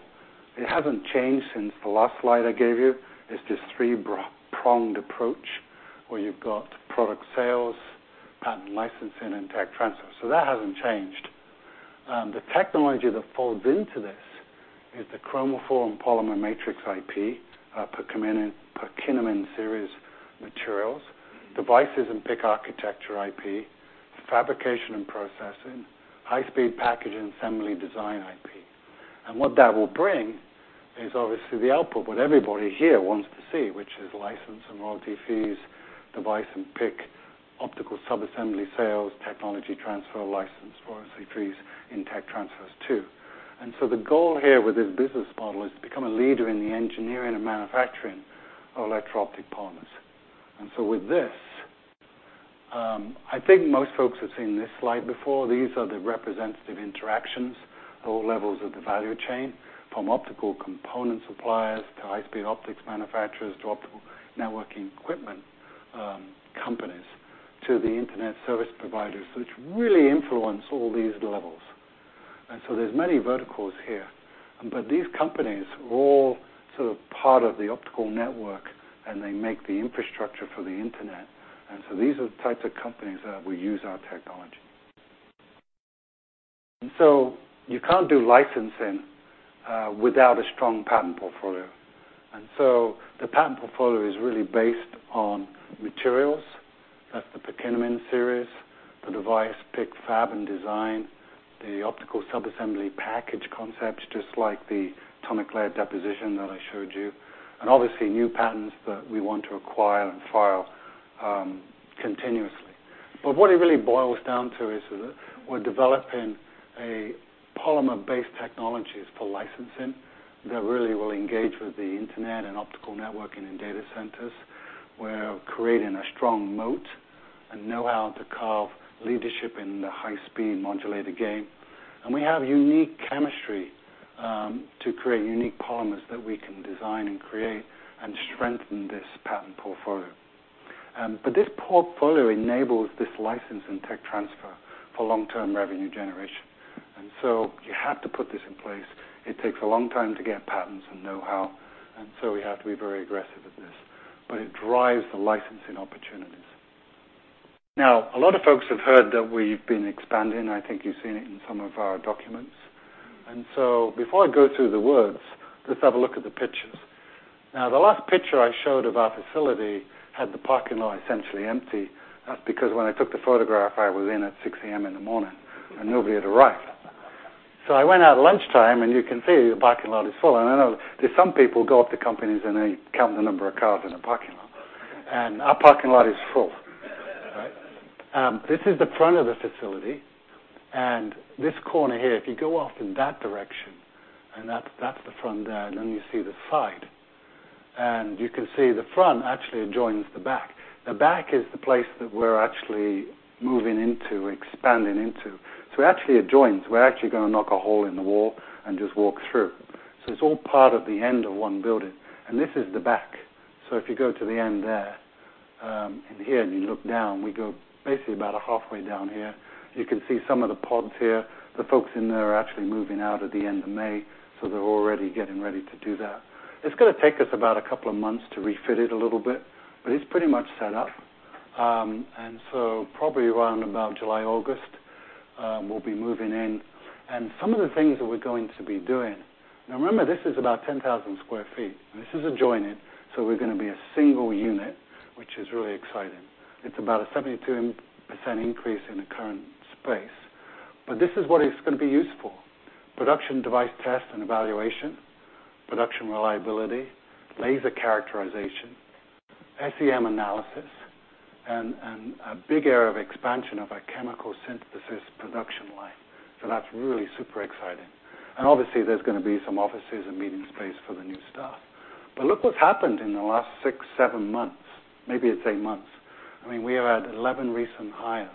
It hasn't changed since the last slide I gave you. It's this three-pronged approach, where you've got product sales, patent licensing, and tech transfer. That hasn't changed. The technology that folds into this is the chromophore and polymer matrix IP, Perkinamine series materials, devices and PIC architecture IP, fabrication and processing, high speed package and assembly design IP. What that will bring is obviously the output, what everybody here wants to see, which is license and royalty fees, device and PIC optical subassembly sales, technology transfer license for OCTs in tech transfers, too. The goal here with this business model is to become a leader in the engineering and manufacturing of electro-optic polymers. With this, I think most folks have seen this slide before. These are the representative interactions, all levels of the value chain, from optical component suppliers, to high speed optics manufacturers, to optical networking equipment companies, to the internet service providers, which really influence all these levels. There's many verticals here, but these companies are all sort of part of the optical network, and they make the infrastructure for the Internet. These are the types of companies that will use our technology. You can't do licensing without a strong patent portfolio. The patent portfolio is really based on materials. That's the Perkinamine series, the device PIC, fab, and design, the optical subassembly package concepts, just like the atomic layer deposition that I showed you, and obviously, new patents that we want to acquire and file continuously. What it really boils down to is that we're developing a polymer-based technologies for licensing that really will engage with the Internet and optical networking and data centers. We're creating a strong moat and know-how to carve leadership in the high speed modulator game. We have unique chemistry to create unique polymers that we can design and create and strengthen this patent portfolio. This portfolio enables this license and tech transfer for long-term revenue generation. You have to put this in place. It takes a long time to get patents and know-how. We have to be very aggressive at this, but it drives the licensing opportunities. A lot of folks have heard that we've been expanding. I think you've seen it in some of our documents. Before I go through the words, let's have a look at the pictures. The last picture I showed of our facility had the parking lot essentially empty. That's because when I took the photograph, I was in at 6:00 A.M. in the morning, and nobody had arrived. I went out at lunchtime, and you can see the parking lot is full. I know there's some people go up to companies, and they count the number of cars in the parking lot, and our parking lot is full. This is the front of the facility, and this corner here, if you go off in that direction, and that's the front there, and then you see the side, and you can see the front actually adjoins the back. The back is the place that we're actually moving into, expanding into. It actually adjoins. We're actually going to knock a hole in the wall and just walk through. It's all part of the end of one building, and this is the back. If you go to the end there, and here, and you look down, we go basically about halfway down here. You can see some of the pods here. The folks in there are actually moving out at the end of May, so they're already getting ready to do that. It's gonna take us about a couple of months to refit it a little bit, but it's pretty much set up. Probably around about July, August, we'll be moving in. Some of the things that we're going to be doing. Now, remember, this is about 10,000 sq ft, and this is adjoining, so we're gonna be a single unit, which is really exciting. It's about a 72% increase in the current space, but this is what it's going to be used for: production, device, test, and evaluation, production reliability, laser characterization, SEM analysis, and a big area of expansion of our chemical synthesis production line. That's really super exciting. Obviously, there's gonna be some offices and meeting space for the new staff. Look what's happened in the last six, seven months. Maybe it's eight months. I mean, we have had 11 recent hires,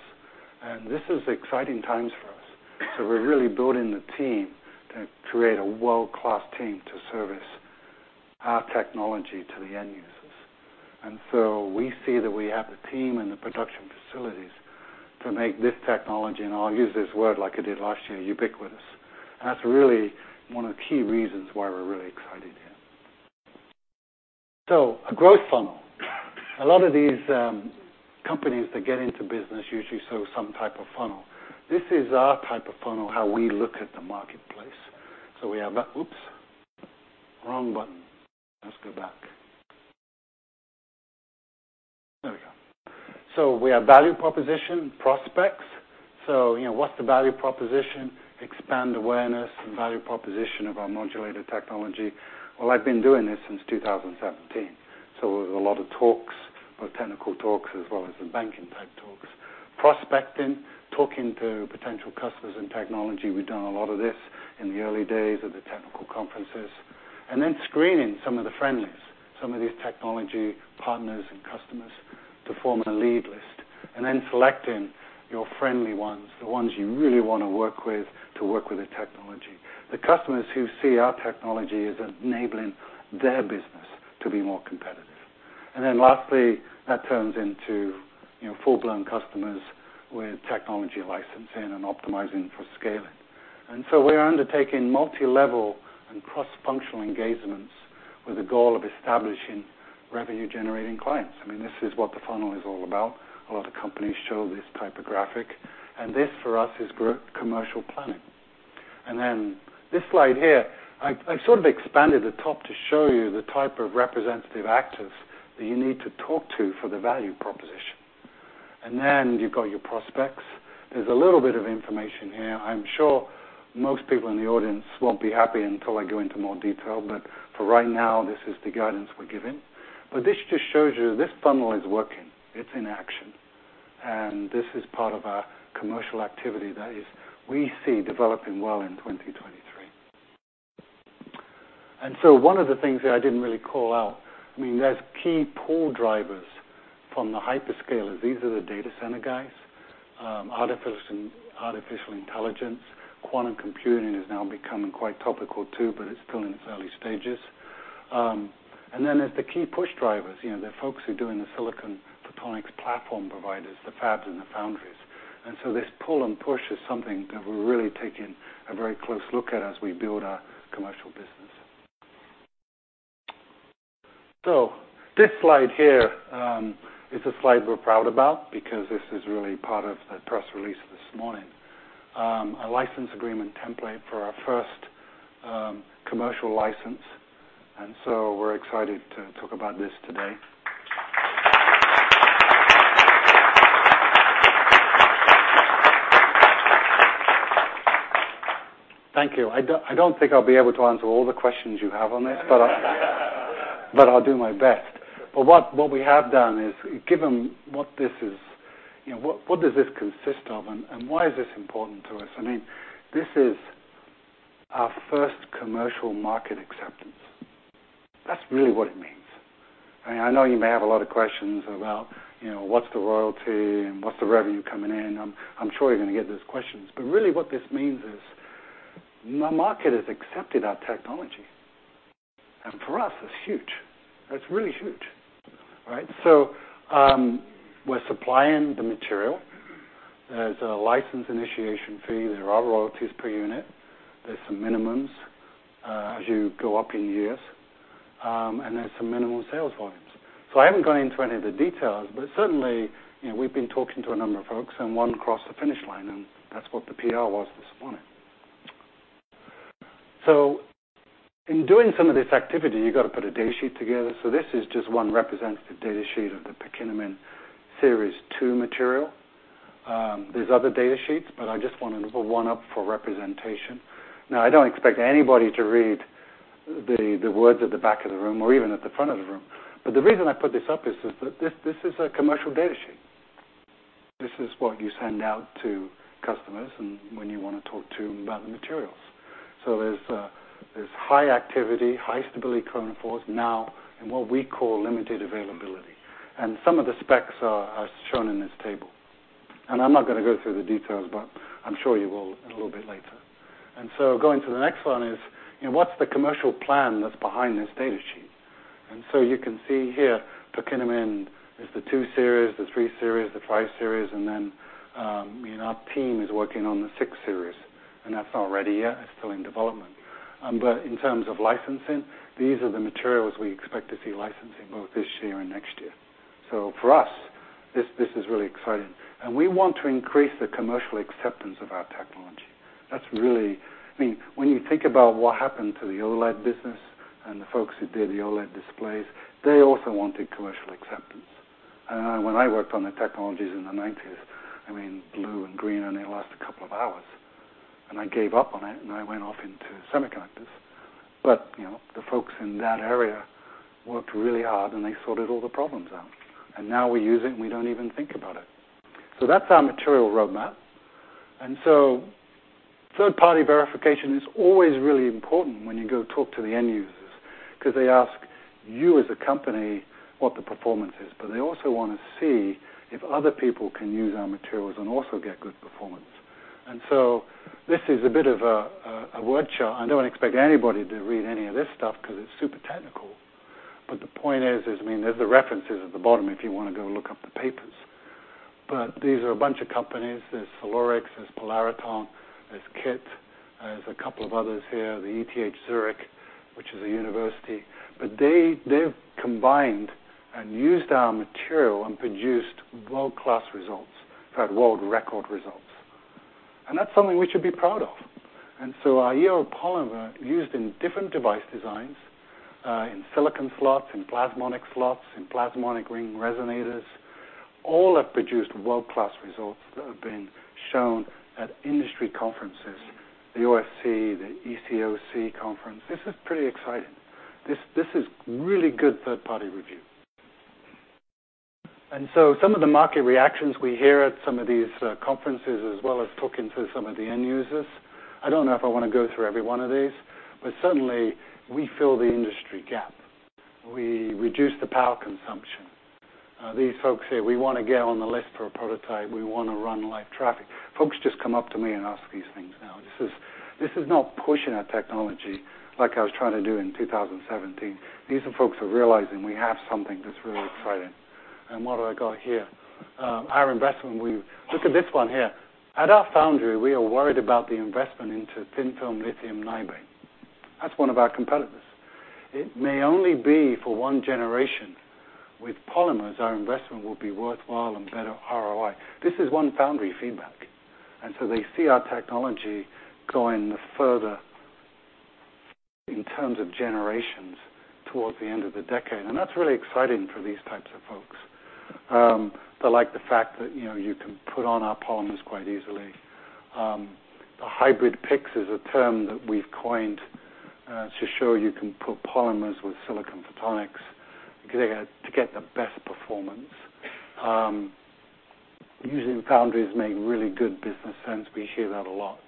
and this is exciting times for us. We're really building the team to create a world-class team to service our technology to the end users. We see that we have the team and the production facilities to make this technology, and I'll use this word like I did last year, ubiquitous. That's really one of the key reasons why we're really excited here. A growth funnel. A lot of these companies that get into business usually show some type of funnel. This is our type of funnel, how we look at the marketplace. We have value proposition, prospects. You know, what's the value proposition? Expand awareness and value proposition of our modulator technology. Well, I've been doing this since 2017, so a lot of talks or technical talks, as well as the banking type talks. Prospecting, talking to potential customers in technology. We've done a lot of this in the early days of the technical conferences. Screening some of the friendlies, some of these technology partners and customers, to form a lead list. Selecting your friendly ones, the ones you really want to work with, to work with the technology. The customers who see our technology as enabling their business to be more competitive. Lastly, that turns into, you know, full-blown customers with technology licensing and optimizing for scaling. We are undertaking multi-level and cross-functional engagements with the goal of establishing revenue-generating clients. I mean, this is what the funnel is all about. A lot of companies show this type of graphic, and this, for us, is growth commercial planning. This slide here, I've sort of expanded the top to show you the type of representative actors that you need to talk to for the value proposition. You've got your prospects. There's a little bit of information here. I'm sure most people in the audience won't be happy until I go into more detail, but for right now, this is the guidance we're giving. This just shows you, this funnel is working. It's in action, and this is part of our commercial activity that is, we see developing well in 2023. One of the things that I didn't really call out, I mean, there's key pull drivers from the hyperscalers. These are the data center guys, artificial intelligence. Quantum computing is now becoming quite topical, too, but it's still in its early stages. Then there's the key push drivers, you know, the folks who are doing the silicon photonics platform providers, the fabs, and the foundries. This pull and push is something that we're really taking a very close look at as we build our commercial business. This slide here is a slide we're proud about because this is really part of the press release this morning. A license agreement template for our first commercial license, we're excited to talk about this today. Thank you. I don't think I'll be able to answer all the questions you have on this, but I'll do my best. What we have done is, given what this is, you know, what does this consist of, and why is this important to us? I mean, this is our first commercial market acceptance. That's really what it means. I know you may have a lot of questions about, you know, what's the royalty and what's the revenue coming in. I'm sure you're going to get these questions, really what this means is the market has accepted our technology. For us, that's huge. That's really huge, right? We're supplying the material. There's a license initiation fee. There are royalties per unit. There's some minimums as you go up in years, and there's some minimum sales volumes. I haven't gone into any of the details, but certainly, you know, we've been talking to a number of folks, and one crossed the finish line, and that's what the PR was this morning. In doing some of this activity, you got to put a data sheet together. This is just one representative data sheet of the Perkinamine Series 2 material. There's other data sheets, but I just wanted to put one up for representation. Now, I don't expect anybody to read the words at the back of the room or even at the front of the room. The reason I put this up is that this is a commercial data sheet. This is what you send out to customers and when you want to talk to them about the materials. There's high activity, high stability chromophores now in what we call limited availability. Some of the specs are shown in this table. I'm not going to go through the details, but I'm sure you will a little bit later. Going to the next one is, what's the commercial plan that's behind this data sheet? You can see here, Perkinamine is the 2 series, the 3 series, the 5 series, and then, you know, our team is working on the 6 series, and that's not ready yet. It's still in development. In terms of licensing, these are the materials we expect to see licensing both this year and next year. For us, this is really exciting. We want to increase the commercial acceptance of our technology. I mean, when you think about what happened to the OLED business and the folks who did the OLED displays, they also wanted commercial acceptance. When I worked on the technologies in the nineties, I mean, blue and green, and they last a couple of hours, and I gave up on it, and I went off into semiconductors. You know, the folks in that area worked really hard, and they sorted all the problems out. Now we use it, and we don't even think about it. That's our material roadmap. Third-party verification is always really important when you go talk to the end users because they ask you as a company what the performance is, but they also want to see if other people can use our materials and also get good performance. This is a bit of a word chart. I don't expect anybody to read any of this stuff because it's super technical, but the point is, I mean, there's the references at the bottom if you want to go and look up the papers. These are a bunch of companies. There's SilOriX, there's Polariton, there's KIT, there's a couple of others here, the ETH Zurich, which is a university. They've combined and used our material and produced world-class results, in fact, world record results. That's something we should be proud of. Our EO polymer, used in different device designs, in silicon slots, in plasmonic slots, in plasmonic ring resonators, all have produced world-class results that have been shown at industry conferences, the OFC, the ECOC conference. This is pretty exciting. This is really good third-party review. Some of the market reactions we hear at some of these conferences, as well as talking to some of the end users, I don't know if I want to go through every one of these, but certainly, we fill the industry gap. We reduce the power consumption. These folks say, "We want to get on the list for a prototype. We want to run live traffic." Folks just come up to me and ask these things now. This is not pushing a technology like I was trying to do in 2017. These are folks who are realizing we have something that's really exciting. What do I got here? Our investment, we... Look at this one here. At our foundry, we are worried about the investment into thin-film lithium niobate. That's one of our competitors. It may only be for one generation. With polymers, our investment will be worthwhile and better ROI. This is one foundry feedback. They see our technology going in terms of generations towards the end of the decade, and that's really exciting for these types of folks. They like the fact that, you know, you can put on our polymers quite easily. The hybrid PICs is a term that we've coined to show you can put polymers with silicon photonics, to get the best performance. Using foundries make really good business sense. We hear that a lot.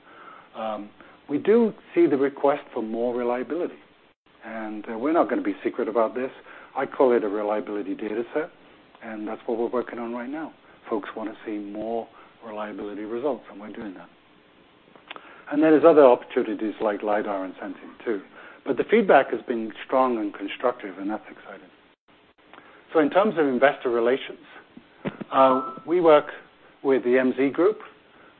We do see the request for more reliability, and we're not going to be secret about this. I call it a reliability data set. That's what we're working on right now. Folks want to see more reliability results. We're doing that. There is other opportunities like LiDAR and sensing, too. The feedback has been strong and constructive, and that's exciting. In terms of investor relations, we work with the MZ Group.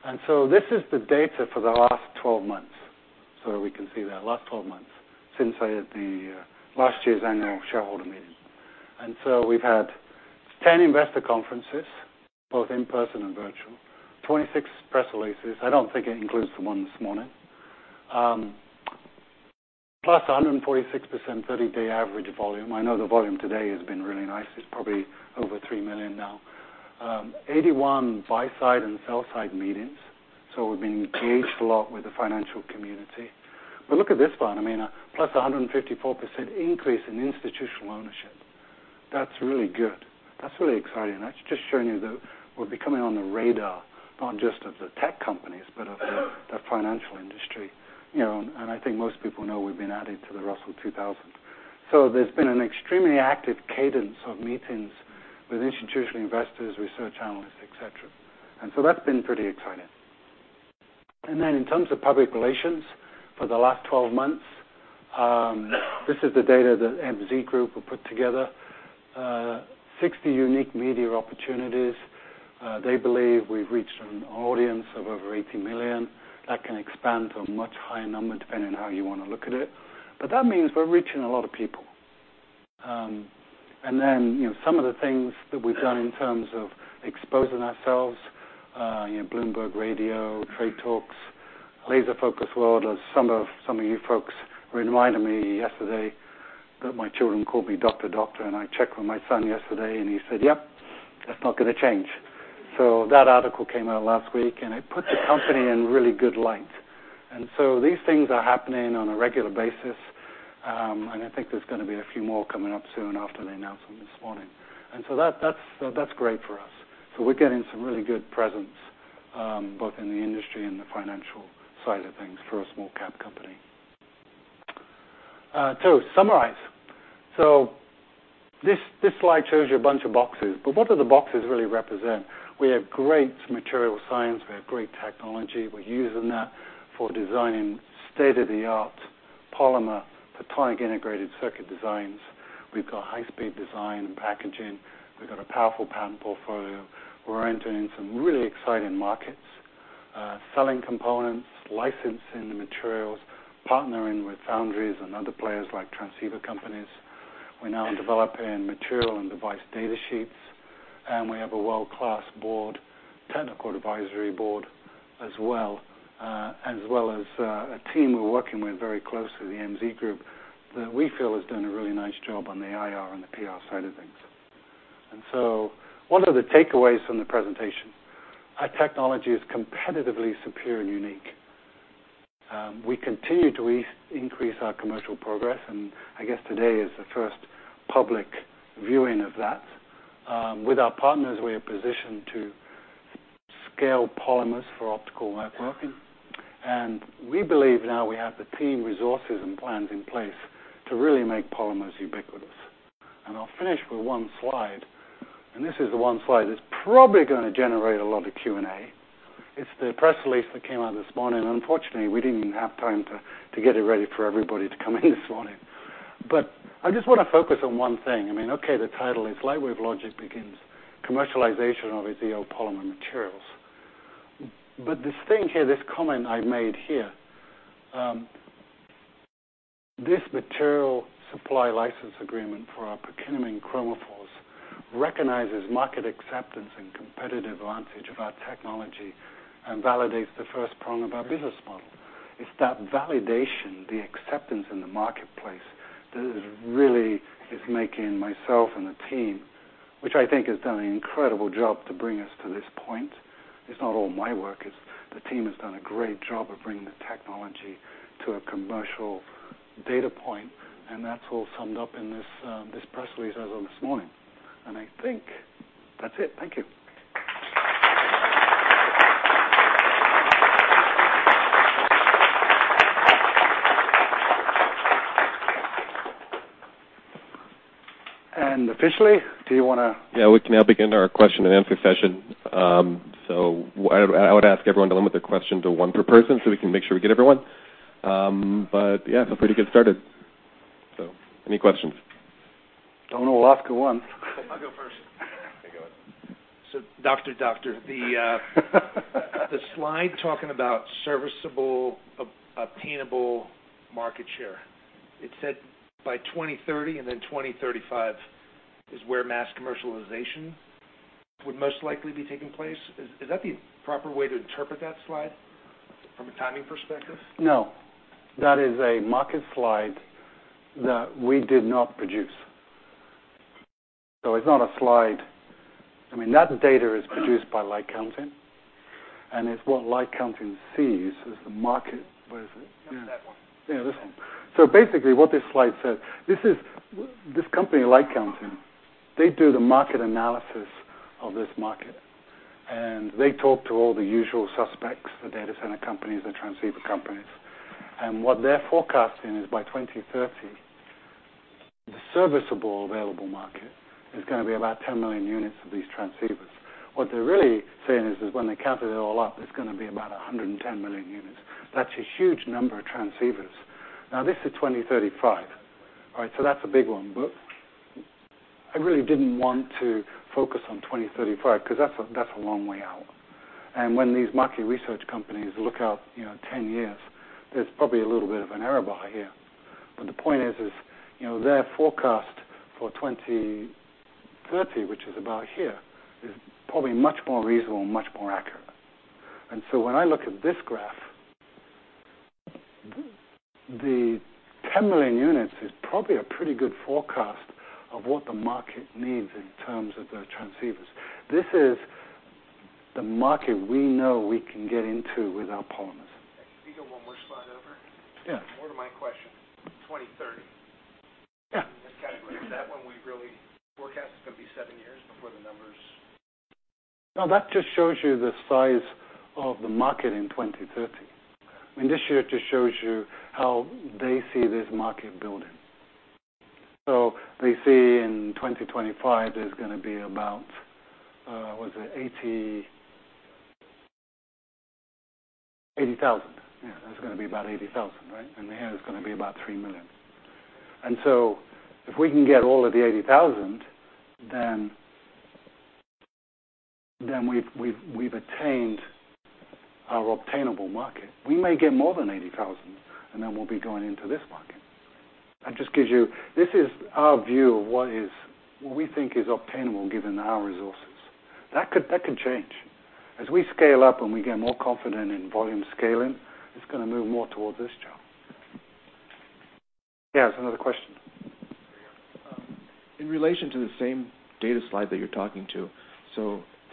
This is the data for the last 12 months. We can see that last 12 months since I had the last year's annual shareholder meeting. We've had 10 investor conferences, both in person and virtual, 26 press releases. I don't think it includes the one this morning, +146% 30-day average volume. I know the volume today has been really nice. It's probably over 3,000,000 now. 81 buy side and sell side meetings. We've been engaged a lot with the financial community. Look at this one, I mean, a +154% increase in institutional ownership. That's really good. That's really exciting. That's just showing you that we're becoming on the radar, not just of the tech companies, but of the financial industry. You know, I think most people know we've been added to the Russell 2000. There's been an extremely active cadence of meetings with institutional investors, research analysts, et cetera. That's been pretty exciting. In terms of public relations for the last 12 months, this is the data that MZ Group have put together, 60 unique media opportunities. They believe we've reached an audience of over 80,000,000. That can expand to a much higher number, depending on how you want to look at it. That means we're reaching a lot of people. Then, you know, some of the things that we've done in terms of exposing ourselves, you know, Bloomberg Radio, Trade Talks, Laser Focus World. As some of you folks reminded me yesterday, that my children call me Doctor Doctor, and I checked with my son yesterday, and he said, "Yep, that's not going to change." That article came out last week, and it put the company in really good light. These things are happening on a regular basis, and I think there's going to be a few more coming up soon after the announcement this morning. That's great for us. We're getting some really good presence, both in the industry and the financial side of things for a small cap company. To summarize, this slide shows you a bunch of boxes, but what do the boxes really represent? We have great material science. We have great technology. We're using that for designing state-of-the-art polymer, photonic integrated circuit designs. We've got high-speed design and packaging. We've got a powerful patent portfolio. We're entering some really exciting markets, selling components, licensing the materials, partnering with foundries and other players like transceiver companies. We're now developing material and device data sheets, and we have a world-class board, technical advisory board as well, as well as a team we're working with very closely, the MZ Group, that we feel has done a really nice job on the IR and the PR side of things. What are the takeaways from the presentation? Our technology is competitively superior and unique. We continue to increase our commercial progress, and I guess today is the first public viewing of that. With our partners, we are positioned to scale polymers for optical networking, and we believe now we have the team, resources, and plans in place to really make polymers ubiquitous. I'll finish with one slide, and this is the one slide that's probably going to generate a lot of Q&A. It's the press release that came out this morning, and unfortunately, we didn't even have time to get it ready for everybody to come in this morning. I just want to focus on one thing. I mean, okay, the title is Lightwave Logic Begins Commercialization of EO Polymer Materials. This thing here, this comment I made here, "This material supply license agreement for our Perkinamine chromophores recognizes market acceptance and competitive advantage of our technology and validates the first prong of our business model." It's that validation, the acceptance in the marketplace, that is really making myself and the team, which I think has done an incredible job to bring us to this point. It's not all my work. The team has done a great job of bringing the technology to a commercial data point, and that's all summed up in this press release as of this morning. I think that's it. Thank you. Officially, do you want to? Yeah, we can now begin our question and answer session. I would ask everyone to limit their question to one per person so we can make sure we get everyone. Yeah, feel free to get started. Any questions? Donald will ask you one. I'll go first. Okay, go ahead. Doctor, Doctor, the slide talking about serviceable obtainable market share, it said by 2030 and then 2035 is where mass commercialization would most likely be taking place. Is that the proper way to interpret that slide from a timing perspective? No, that is a market slide that we did not produce. It's not a slide. I mean, that data is produced by LightCounting, and it's what LightCounting sees as the market. Where is it? It's that one. Yeah, this one. Basically, what this slide says, this company, LightCounting, they do the market analysis of this market, and they talk to all the usual suspects, the data center companies, the transceiver companies. What they're forecasting is by 2030, the serviceable available market is gonna be about 10,000,000 units of these transceivers. What they're really saying is when they count it all up, it's gonna be about 110,000,000 units. That's a huge number of transceivers. This is 2035, all right? That's a big one, but I really didn't want to focus on 2035 because that's a long way out. When these market research companies look out, you know, 10 years, there's probably a little bit of an error bar here. The point is, you know, their forecast for 2030, which is about here, is probably much more reasonable and much more accurate. When I look at this graph, the 10,000,000 units is probably a pretty good forecast of what the market needs in terms of the transceivers. This is the market we know we can get into with our partners. Can you go one more slide over? Yeah. More to my question, 2030. Yeah. This category, that one, we really forecast is gonna be seven years before the numbers. No, that just shows you the size of the market in 2030. I mean, this year just shows you how they see this market building. They see in 2025, there's gonna be about, what is it? 80,000. There's gonna be about 80,000, right? Here, it's gonna be about 3,000,000. If we can get all of the 80,000, then we've attained our obtainable market. We may get more than 80,000, and then we'll be going into this market. This is our view of what we think is obtainable, given our resources. That could change. As we scale up and we get more confident in volume scaling, it's gonna move more towards this job. Yes. Another question. In relation to the same data slide that you're talking to,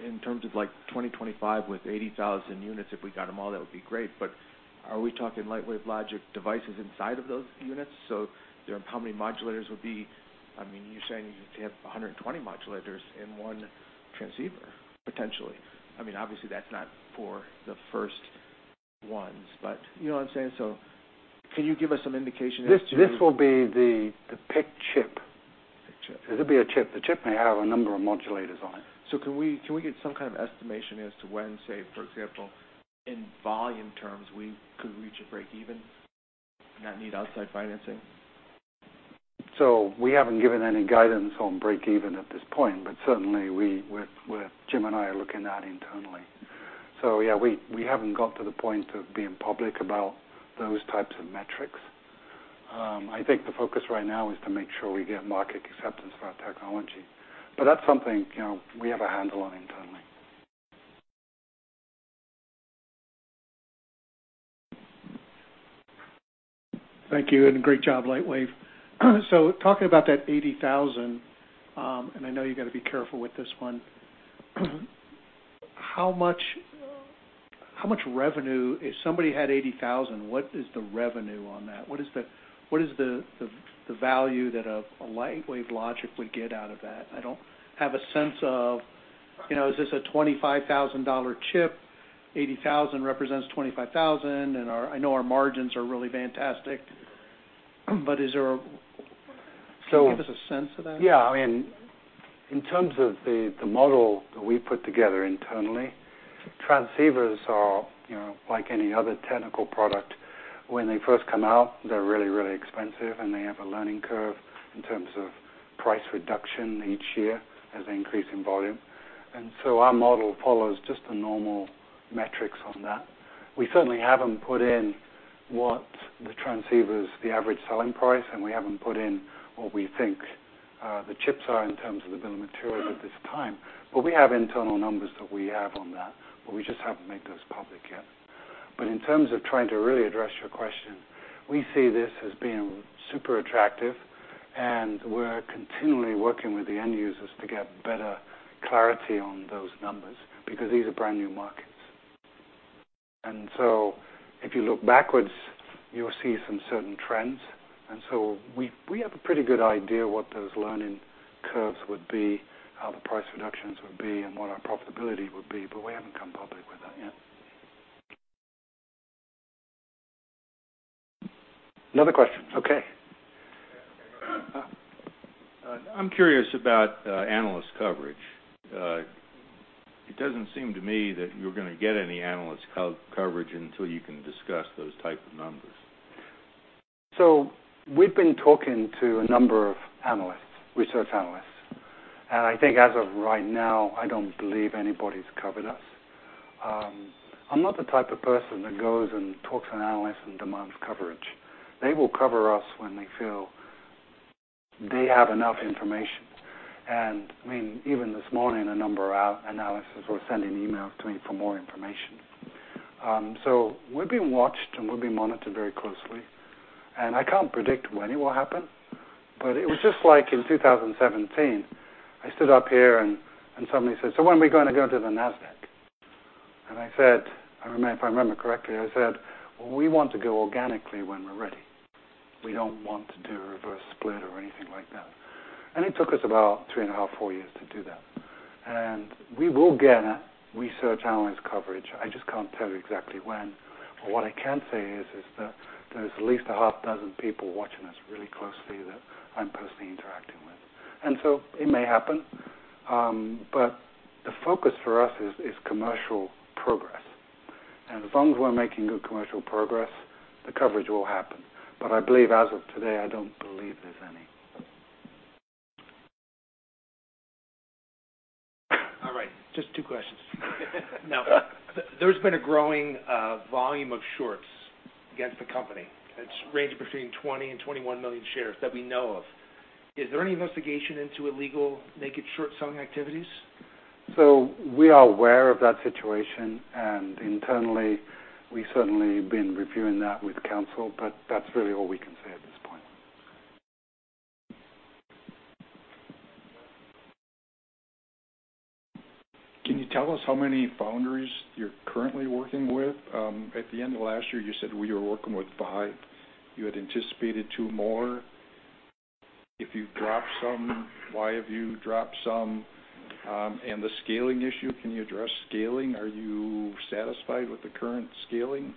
in terms of, like, 2025 with 80,000 units, if we got them all, that would be great, but are we talking Lightwave Logic devices inside of those units? How many modulators would be? I mean, you're saying you need to have 120 modulators in one transceiver, potentially. I mean, obviously, that's not for the first ones, but you know what I'm saying? Can you give us some indication as to? [CROSSTALK] This will be the PIC chip. PIC chip. It'll be a chip. The chip may have a number of modulators on it. Can we get some kind of estimation as to when, say, for example, in volume terms, we could reach a break even, not need outside financing? We haven't given any guidance on break even at this point, but certainly we, with Jim and I, are looking at internally. Yeah, we haven't got to the point of being public about those types of metrics. I think the focus right now is to make sure we get market acceptance for our technology, but that's something, you know, we have a handle on internally. Thank you, great job, Lightwave. Talking about that 80,000, I know you got to be careful with this one. How much, how much revenue, if somebody had 80,000, what is the revenue on that? What is the, what is the value that a Lightwave Logic would get out of that? I don't have a sense of, you know, is this a $25,000 chip, 80,000 represents $25,000. I know our margins are really fantastic but is there- So- Can you give us a sense of that? Yeah. I mean, in terms of the model that we put together internally, transceivers are, you know, like any other technical product. When they first come out, they're really, really expensive, and they have a learning curve in terms of price reduction each year as they increase in volume. Our model follows just the normal metrics on that. We certainly haven't put in what the transceivers, the average selling price, and we haven't put in what we think the chips are in terms of the bill of materials at this time. We have internal numbers that we have on that, but we just haven't made those public yet. In terms of trying to really address your question, we see this as being super attractive, and we're continually working with the end users to get better clarity on those numbers, because these are brand-new markets. If you look backwards, you'll see some certain trends. We have a pretty good idea what those learning curves would be, how the price reductions would be, and what our profitability would be, but we haven't come public with that yet. Another question. Okay. I'm curious about analyst coverage. It doesn't seem to me that you're gonna get any analyst coverage until you can discuss those type of numbers. We've been talking to a number of analysts, research analysts, and I think as of right now, I don't believe anybody's covered us. I'm not the type of person that goes and talks to analysts and demands coverage. They will cover us when they have enough information. I mean, even this morning, a number of analysts were sending emails to me for more information. We're being watched, and we'll be monitored very closely. I can't predict when it will happen, but it was just like in 2017, I stood up here, and somebody said: "So when are we gonna go to the Nasdaq?" I said, I remember, if I remember correctly, I said, "We want to go organically when we're ready. We don't want to do a reverse split or anything like that. It took us about three and a half, four years to do that. We will get research analyst coverage. I just can't tell you exactly when. What I can say is, that there's at least a half dozen people watching us really closely that I'm personally interacting with. So it may happen, but the focus for us is commercial progress. As long as we're making good commercial progress, the coverage will happen. I believe as of today, I don't believe there's any. All right, just two questions. Now, there's been a growing volume of shorts against the company. It's ranging between 20,000,000 and 21,000,000 shares that we know of. Is there any investigation into illegal naked short selling activities? We are aware of that situation, and internally, we've certainly been reviewing that with counsel, but that's really all we can say at this point. Can you tell us how many foundries you're currently working with? At the end of last year, you said we were working with five. You had anticipated two more. If you've dropped some, why have you dropped some? The scaling issue, can you address scaling? Are you satisfied with the current scaling?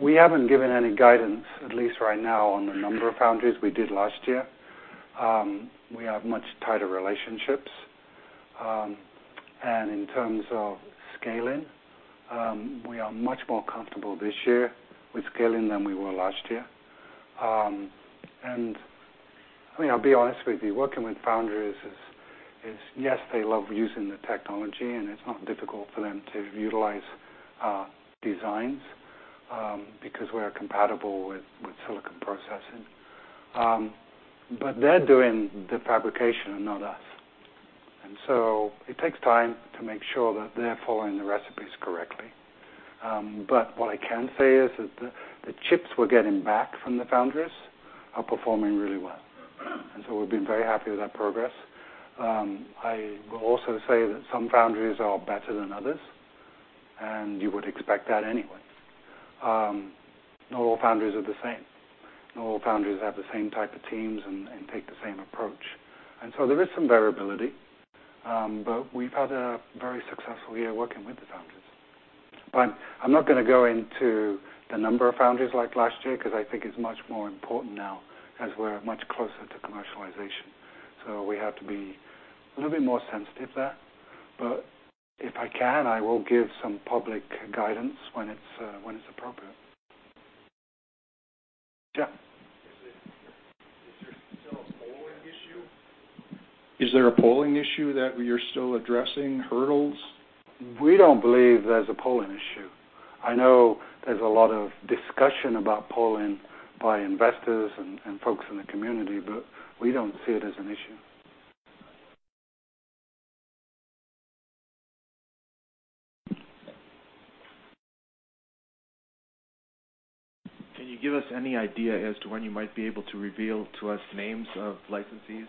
We haven't given any guidance, at least right now, on the number of foundries we did last year. We have much tighter relationships. In terms of scaling, we are much more comfortable this year with scaling than we were last year. I mean, I'll be honest with you, working with foundries is, yes, they love using the technology, and it's not difficult for them to utilize designs because we're compatible with silicon processing. They're doing the fabrication, and not us. It takes time to make sure that they're following the recipes correctly. What I can say is that the chips we're getting back from the foundries are performing really well. We've been very happy with that progress. I will also say that some foundries are better than others. You would expect that anyway. Not all foundries are the same. Not all foundries have the same type of teams and take the same approach. There is some variability, but we've had a very successful year working with the foundries. I'm not gonna go into the number of foundries like last year, because I think it's much more important now as we're much closer to commercialization. We have to be a little bit more sensitive there. If I can, I will give some public guidance when it's appropriate. Is there still a poling issue? Is there a poling issue that you're still addressing hurdles? We don't believe there's a poling issue. I know there's a lot of discussion about poling by investors and folks in the community. We don't see it as an issue. Can you give us any idea as to when you might be able to reveal to us names of licensees?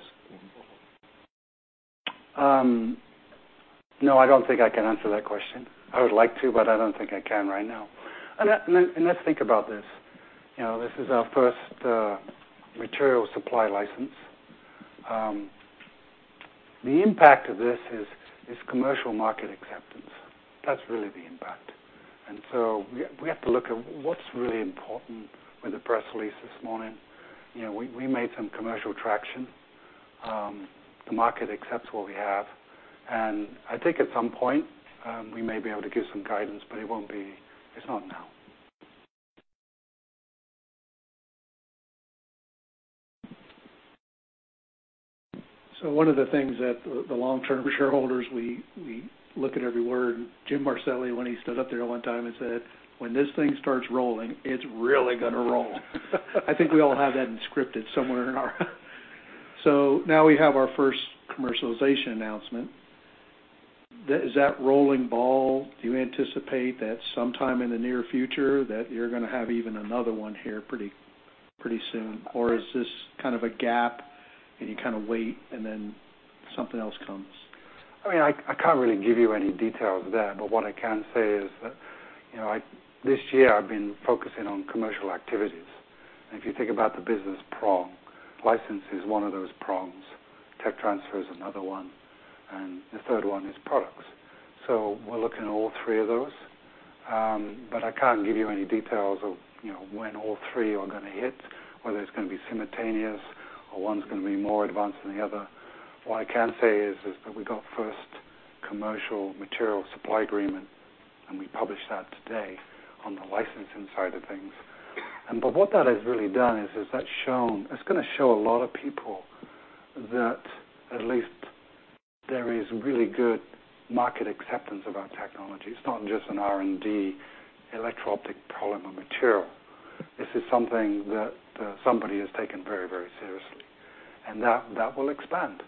No, I don't think I can answer that question. I would like to, but I don't think I can right now. Let's think about this. You know, this is our first material supply license. The impact of this is commercial market acceptance. That's really the impact. We have to look at what's really important with the press release this morning. You know, we made some commercial traction. The market accepts what we have, and I think at some point, we may be able to give some guidance, but It's not now. One of the things that the long-term shareholders, we look at every word. Jim Marcelli, when he stood up there one time and said, "When this thing starts rolling, it's really gonna roll." I think we all have that in scripted somewhere in our... Now we have our first commercialization announcement. Is that rolling ball, do you anticipate that sometime in the near future, that you're gonna have even another one here pretty soon? Or is this kind of a gap, and you kind of wait and then something else comes? I mean, I can't really give you any details of that, but what I can say is that, you know, this year I've been focusing on commercial activities. If you think about the business prong, license is one of those prongs, tech transfer is another one, and the third one is products. We're looking at all three of those. I can't give you any details of, you know, when all three are gonna hit, whether it's gonna be simultaneous, or one's gonna be more advanced than the other. What I can say is that we got first commercial material supply agreement, we published that today on the licensing side of things. What that has really done is that's shown. It's gonna show a lot of people that at least. There is really good market acceptance of our technology. It's not just an R&D electro-optic polymer material. This is something that somebody has taken very, very seriously, and that will expand.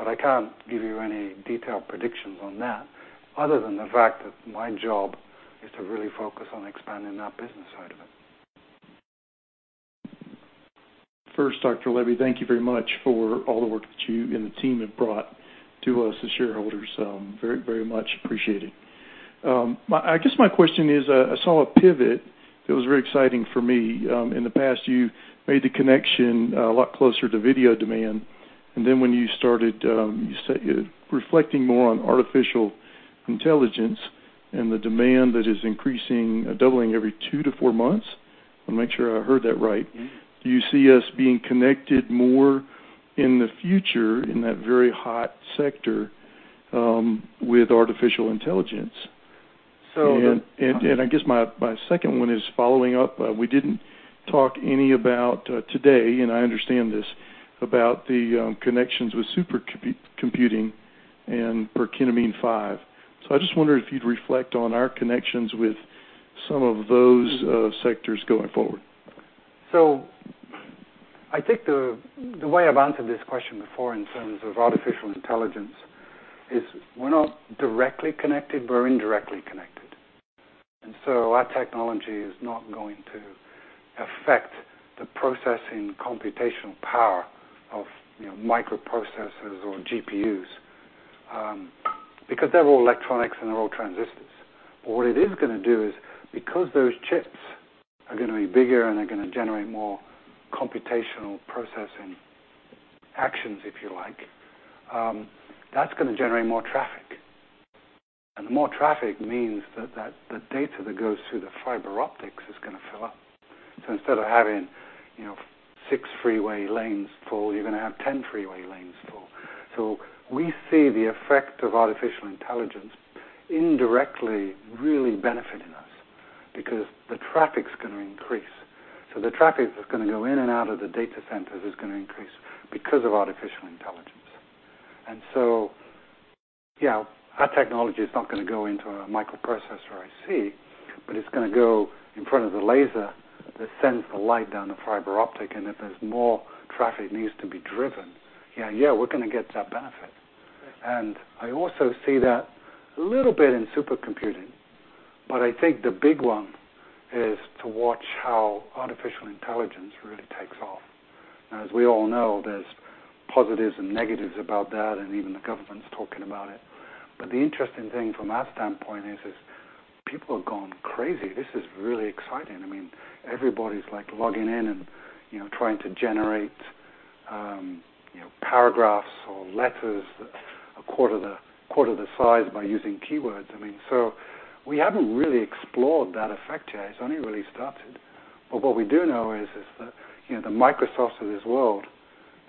I can't give you any detailed predictions on that, other than the fact that my job is to really focus on expanding that business side of it. First, Dr. Lebby, thank you very much for all the work that you and the team have brought to us as shareholders. Very, very much appreciated. I guess my question is, I saw a pivot that was very exciting for me. In the past, you made the connection, a lot closer to video demand, and then when you started, you say, reflecting more on artificial intelligence and the demand that is increasing, doubling every two to four months. I wanna make sure I heard that right? Mm-hmm. Do you see us being connected more in the future in that very hot sector, with artificial intelligence? So-. [CROSSTALK] I guess my second one is following up. We didn't talk any about today, and I understand this, about the connections with super computing and Perkinamine 5. I just wonder if you'd reflect on our connections with some of those sectors going forward. I think the way I've answered this question before in terms of artificial intelligence, is we're not directly connected, we're indirectly connected. Our technology is not going to affect the processing computational power of, you know, microprocessors or GPUs, because they're all electronics and they're all transistors. What it is gonna do is, because those chips are gonna be bigger and they're gonna generate more computational processing actions, if you like, that's gonna generate more traffic. More traffic means that the data that goes through the fiber optics is gonna fill up. Instead of having, you know, six freeway lanes full, you're gonna have 10 freeway lanes full. We see the effect of artificial intelligence indirectly really benefiting us because the traffic's gonna increase. The traffic that's gonna go in and out of the data centers is gonna increase because of artificial intelligence. Yeah, our technology is not gonna go into a microprocessor IC, but it's gonna go in front of the laser that sends the light down the fiber optic, and if there's more traffic needs to be driven, yeah, we're gonna get that benefit. I also see that a little bit in supercomputing, but I think the big one is to watch how artificial intelligence really takes off. As we all know, there's positives and negatives about that, and even the government's talking about it. The interesting thing from our standpoint is people have gone crazy. This is really exciting. I mean, everybody's, like, logging in and, you know, trying to generate, you know, paragraphs or letters a quarter the size by using keywords. I mean, we haven't really explored that effect yet. It's only really started. What we do know is that, you know, the Microsofts of this world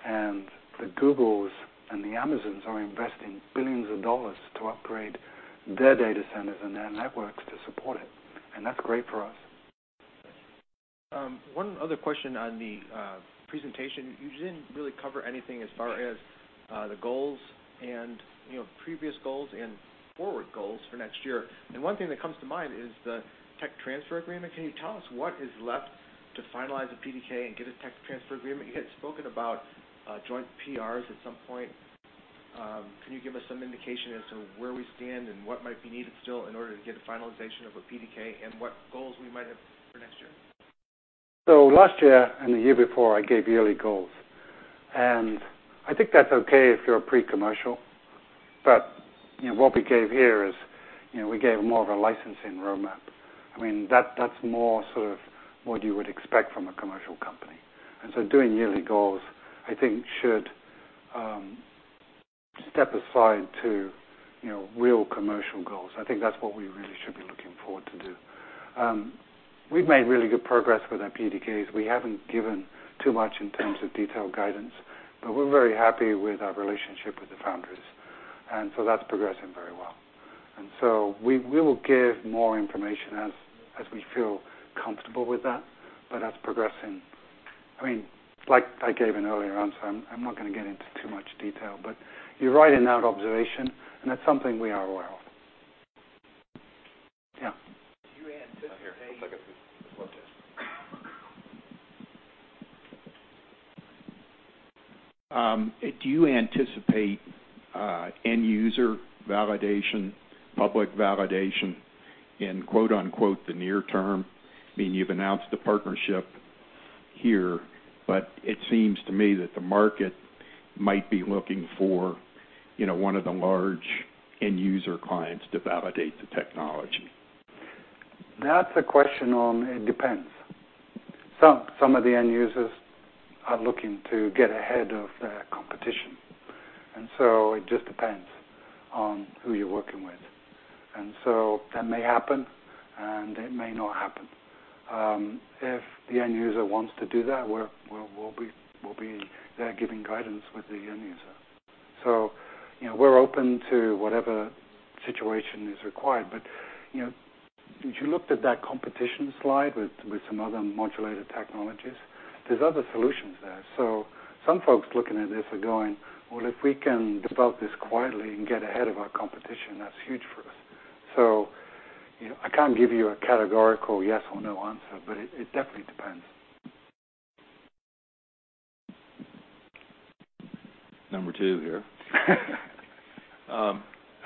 and the Googles and the Amazons are investing billions of dollars to upgrade their data centers and their networks to support it, and that's great for us. One other question on the presentation. You didn't really cover anything as far as the goals and, you know, previous goals and forward goals for next year. One thing that comes to mind is the tech transfer agreement. Can you tell us what is left to finalize the PDK and get a tech transfer agreement? You had spoken about joint PRs at some point. Can you give us some indication as to where we stand and what might be needed still in order to get a finalization of a PDK, and what goals we might have for next year? Last year and the year before, I gave yearly goals, and I think that's okay if you're pre-commercial. You know, what we gave here is, you know, we gave more of a licensing roadmap. I mean, that's more sort of what you would expect from a commercial company. Doing yearly goals, I think, should step aside to, you know, real commercial goals. I think that's what we really should be looking forward to do. We've made really good progress with our PDKs. We haven't given too much in terms of detailed guidance, but we're very happy with our relationship with the founders, and so that's progressing very well. We will give more information as we feel comfortable with that, but that's progressing. I mean, like I gave an earlier answer, I'm not gonna get into too much detail, but you're right in that observation, and that's something we are aware of. Yeah. Do you anticipate? [CROSSTALK] Do you anticipate, end user validation, public validation in, quote, unquote, "the near term?" I mean, you've announced the partnership here, but it seems to me that the market might be looking for, you know, one of the large end user clients to validate the technology. That's a question. It depends. Some of the end users are looking to get ahead of their competition, it just depends on who you're working with. That may happen, and it may not happen. If the end user wants to do that, we'll be there, giving guidance with the end user. You know, we're open to whatever situation is required. You know, if you looked at that competition slide with some other modulator technologies, there's other solutions there. Some folks looking at this are going, Well, if we can develop this quietly and get ahead of our competition, that's huge for us. You know, I can't give you a categorical yes or no answer, but it definitely depends. Number two here.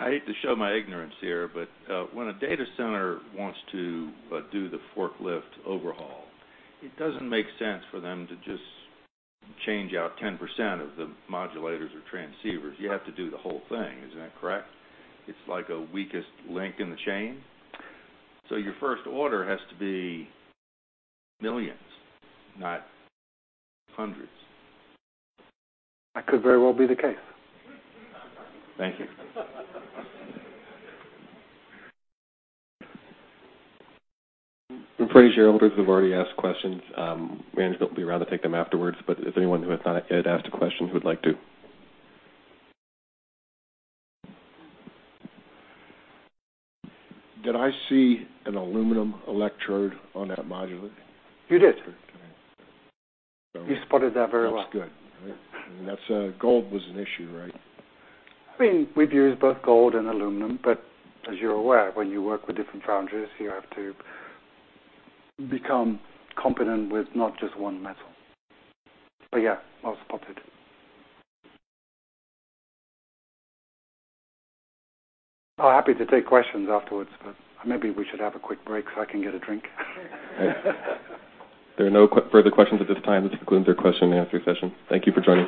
I hate to show my ignorance here, but, when a data center wants to do the forklift overhaul, it doesn't make sense for them to just change out 10% of the modulators or transceivers. You have to do the whole thing. Isn't that correct? It's like a weakest link in the chain, so your first order has to be millions, not hundreds. That could very well be the case. Thank you. I'm afraid shareholders have already asked questions. Management will be around to take them afterwards, but if anyone who has not yet asked a question who would like to? Did I see an aluminum electrode on that modulator? You did. Okay. You spotted that very well. That's good. Yeah. That's... Gold was an issue, right? I mean, we've used both gold and aluminum. As you're aware, when you work with different foundries, you have to become competent with not just one metal. Yeah, well spotted. I'm happy to take questions afterwards, but maybe we should have a quick break so I can get a drink. There are no further questions at this time. This concludes our question and answer session. Thank you for joining.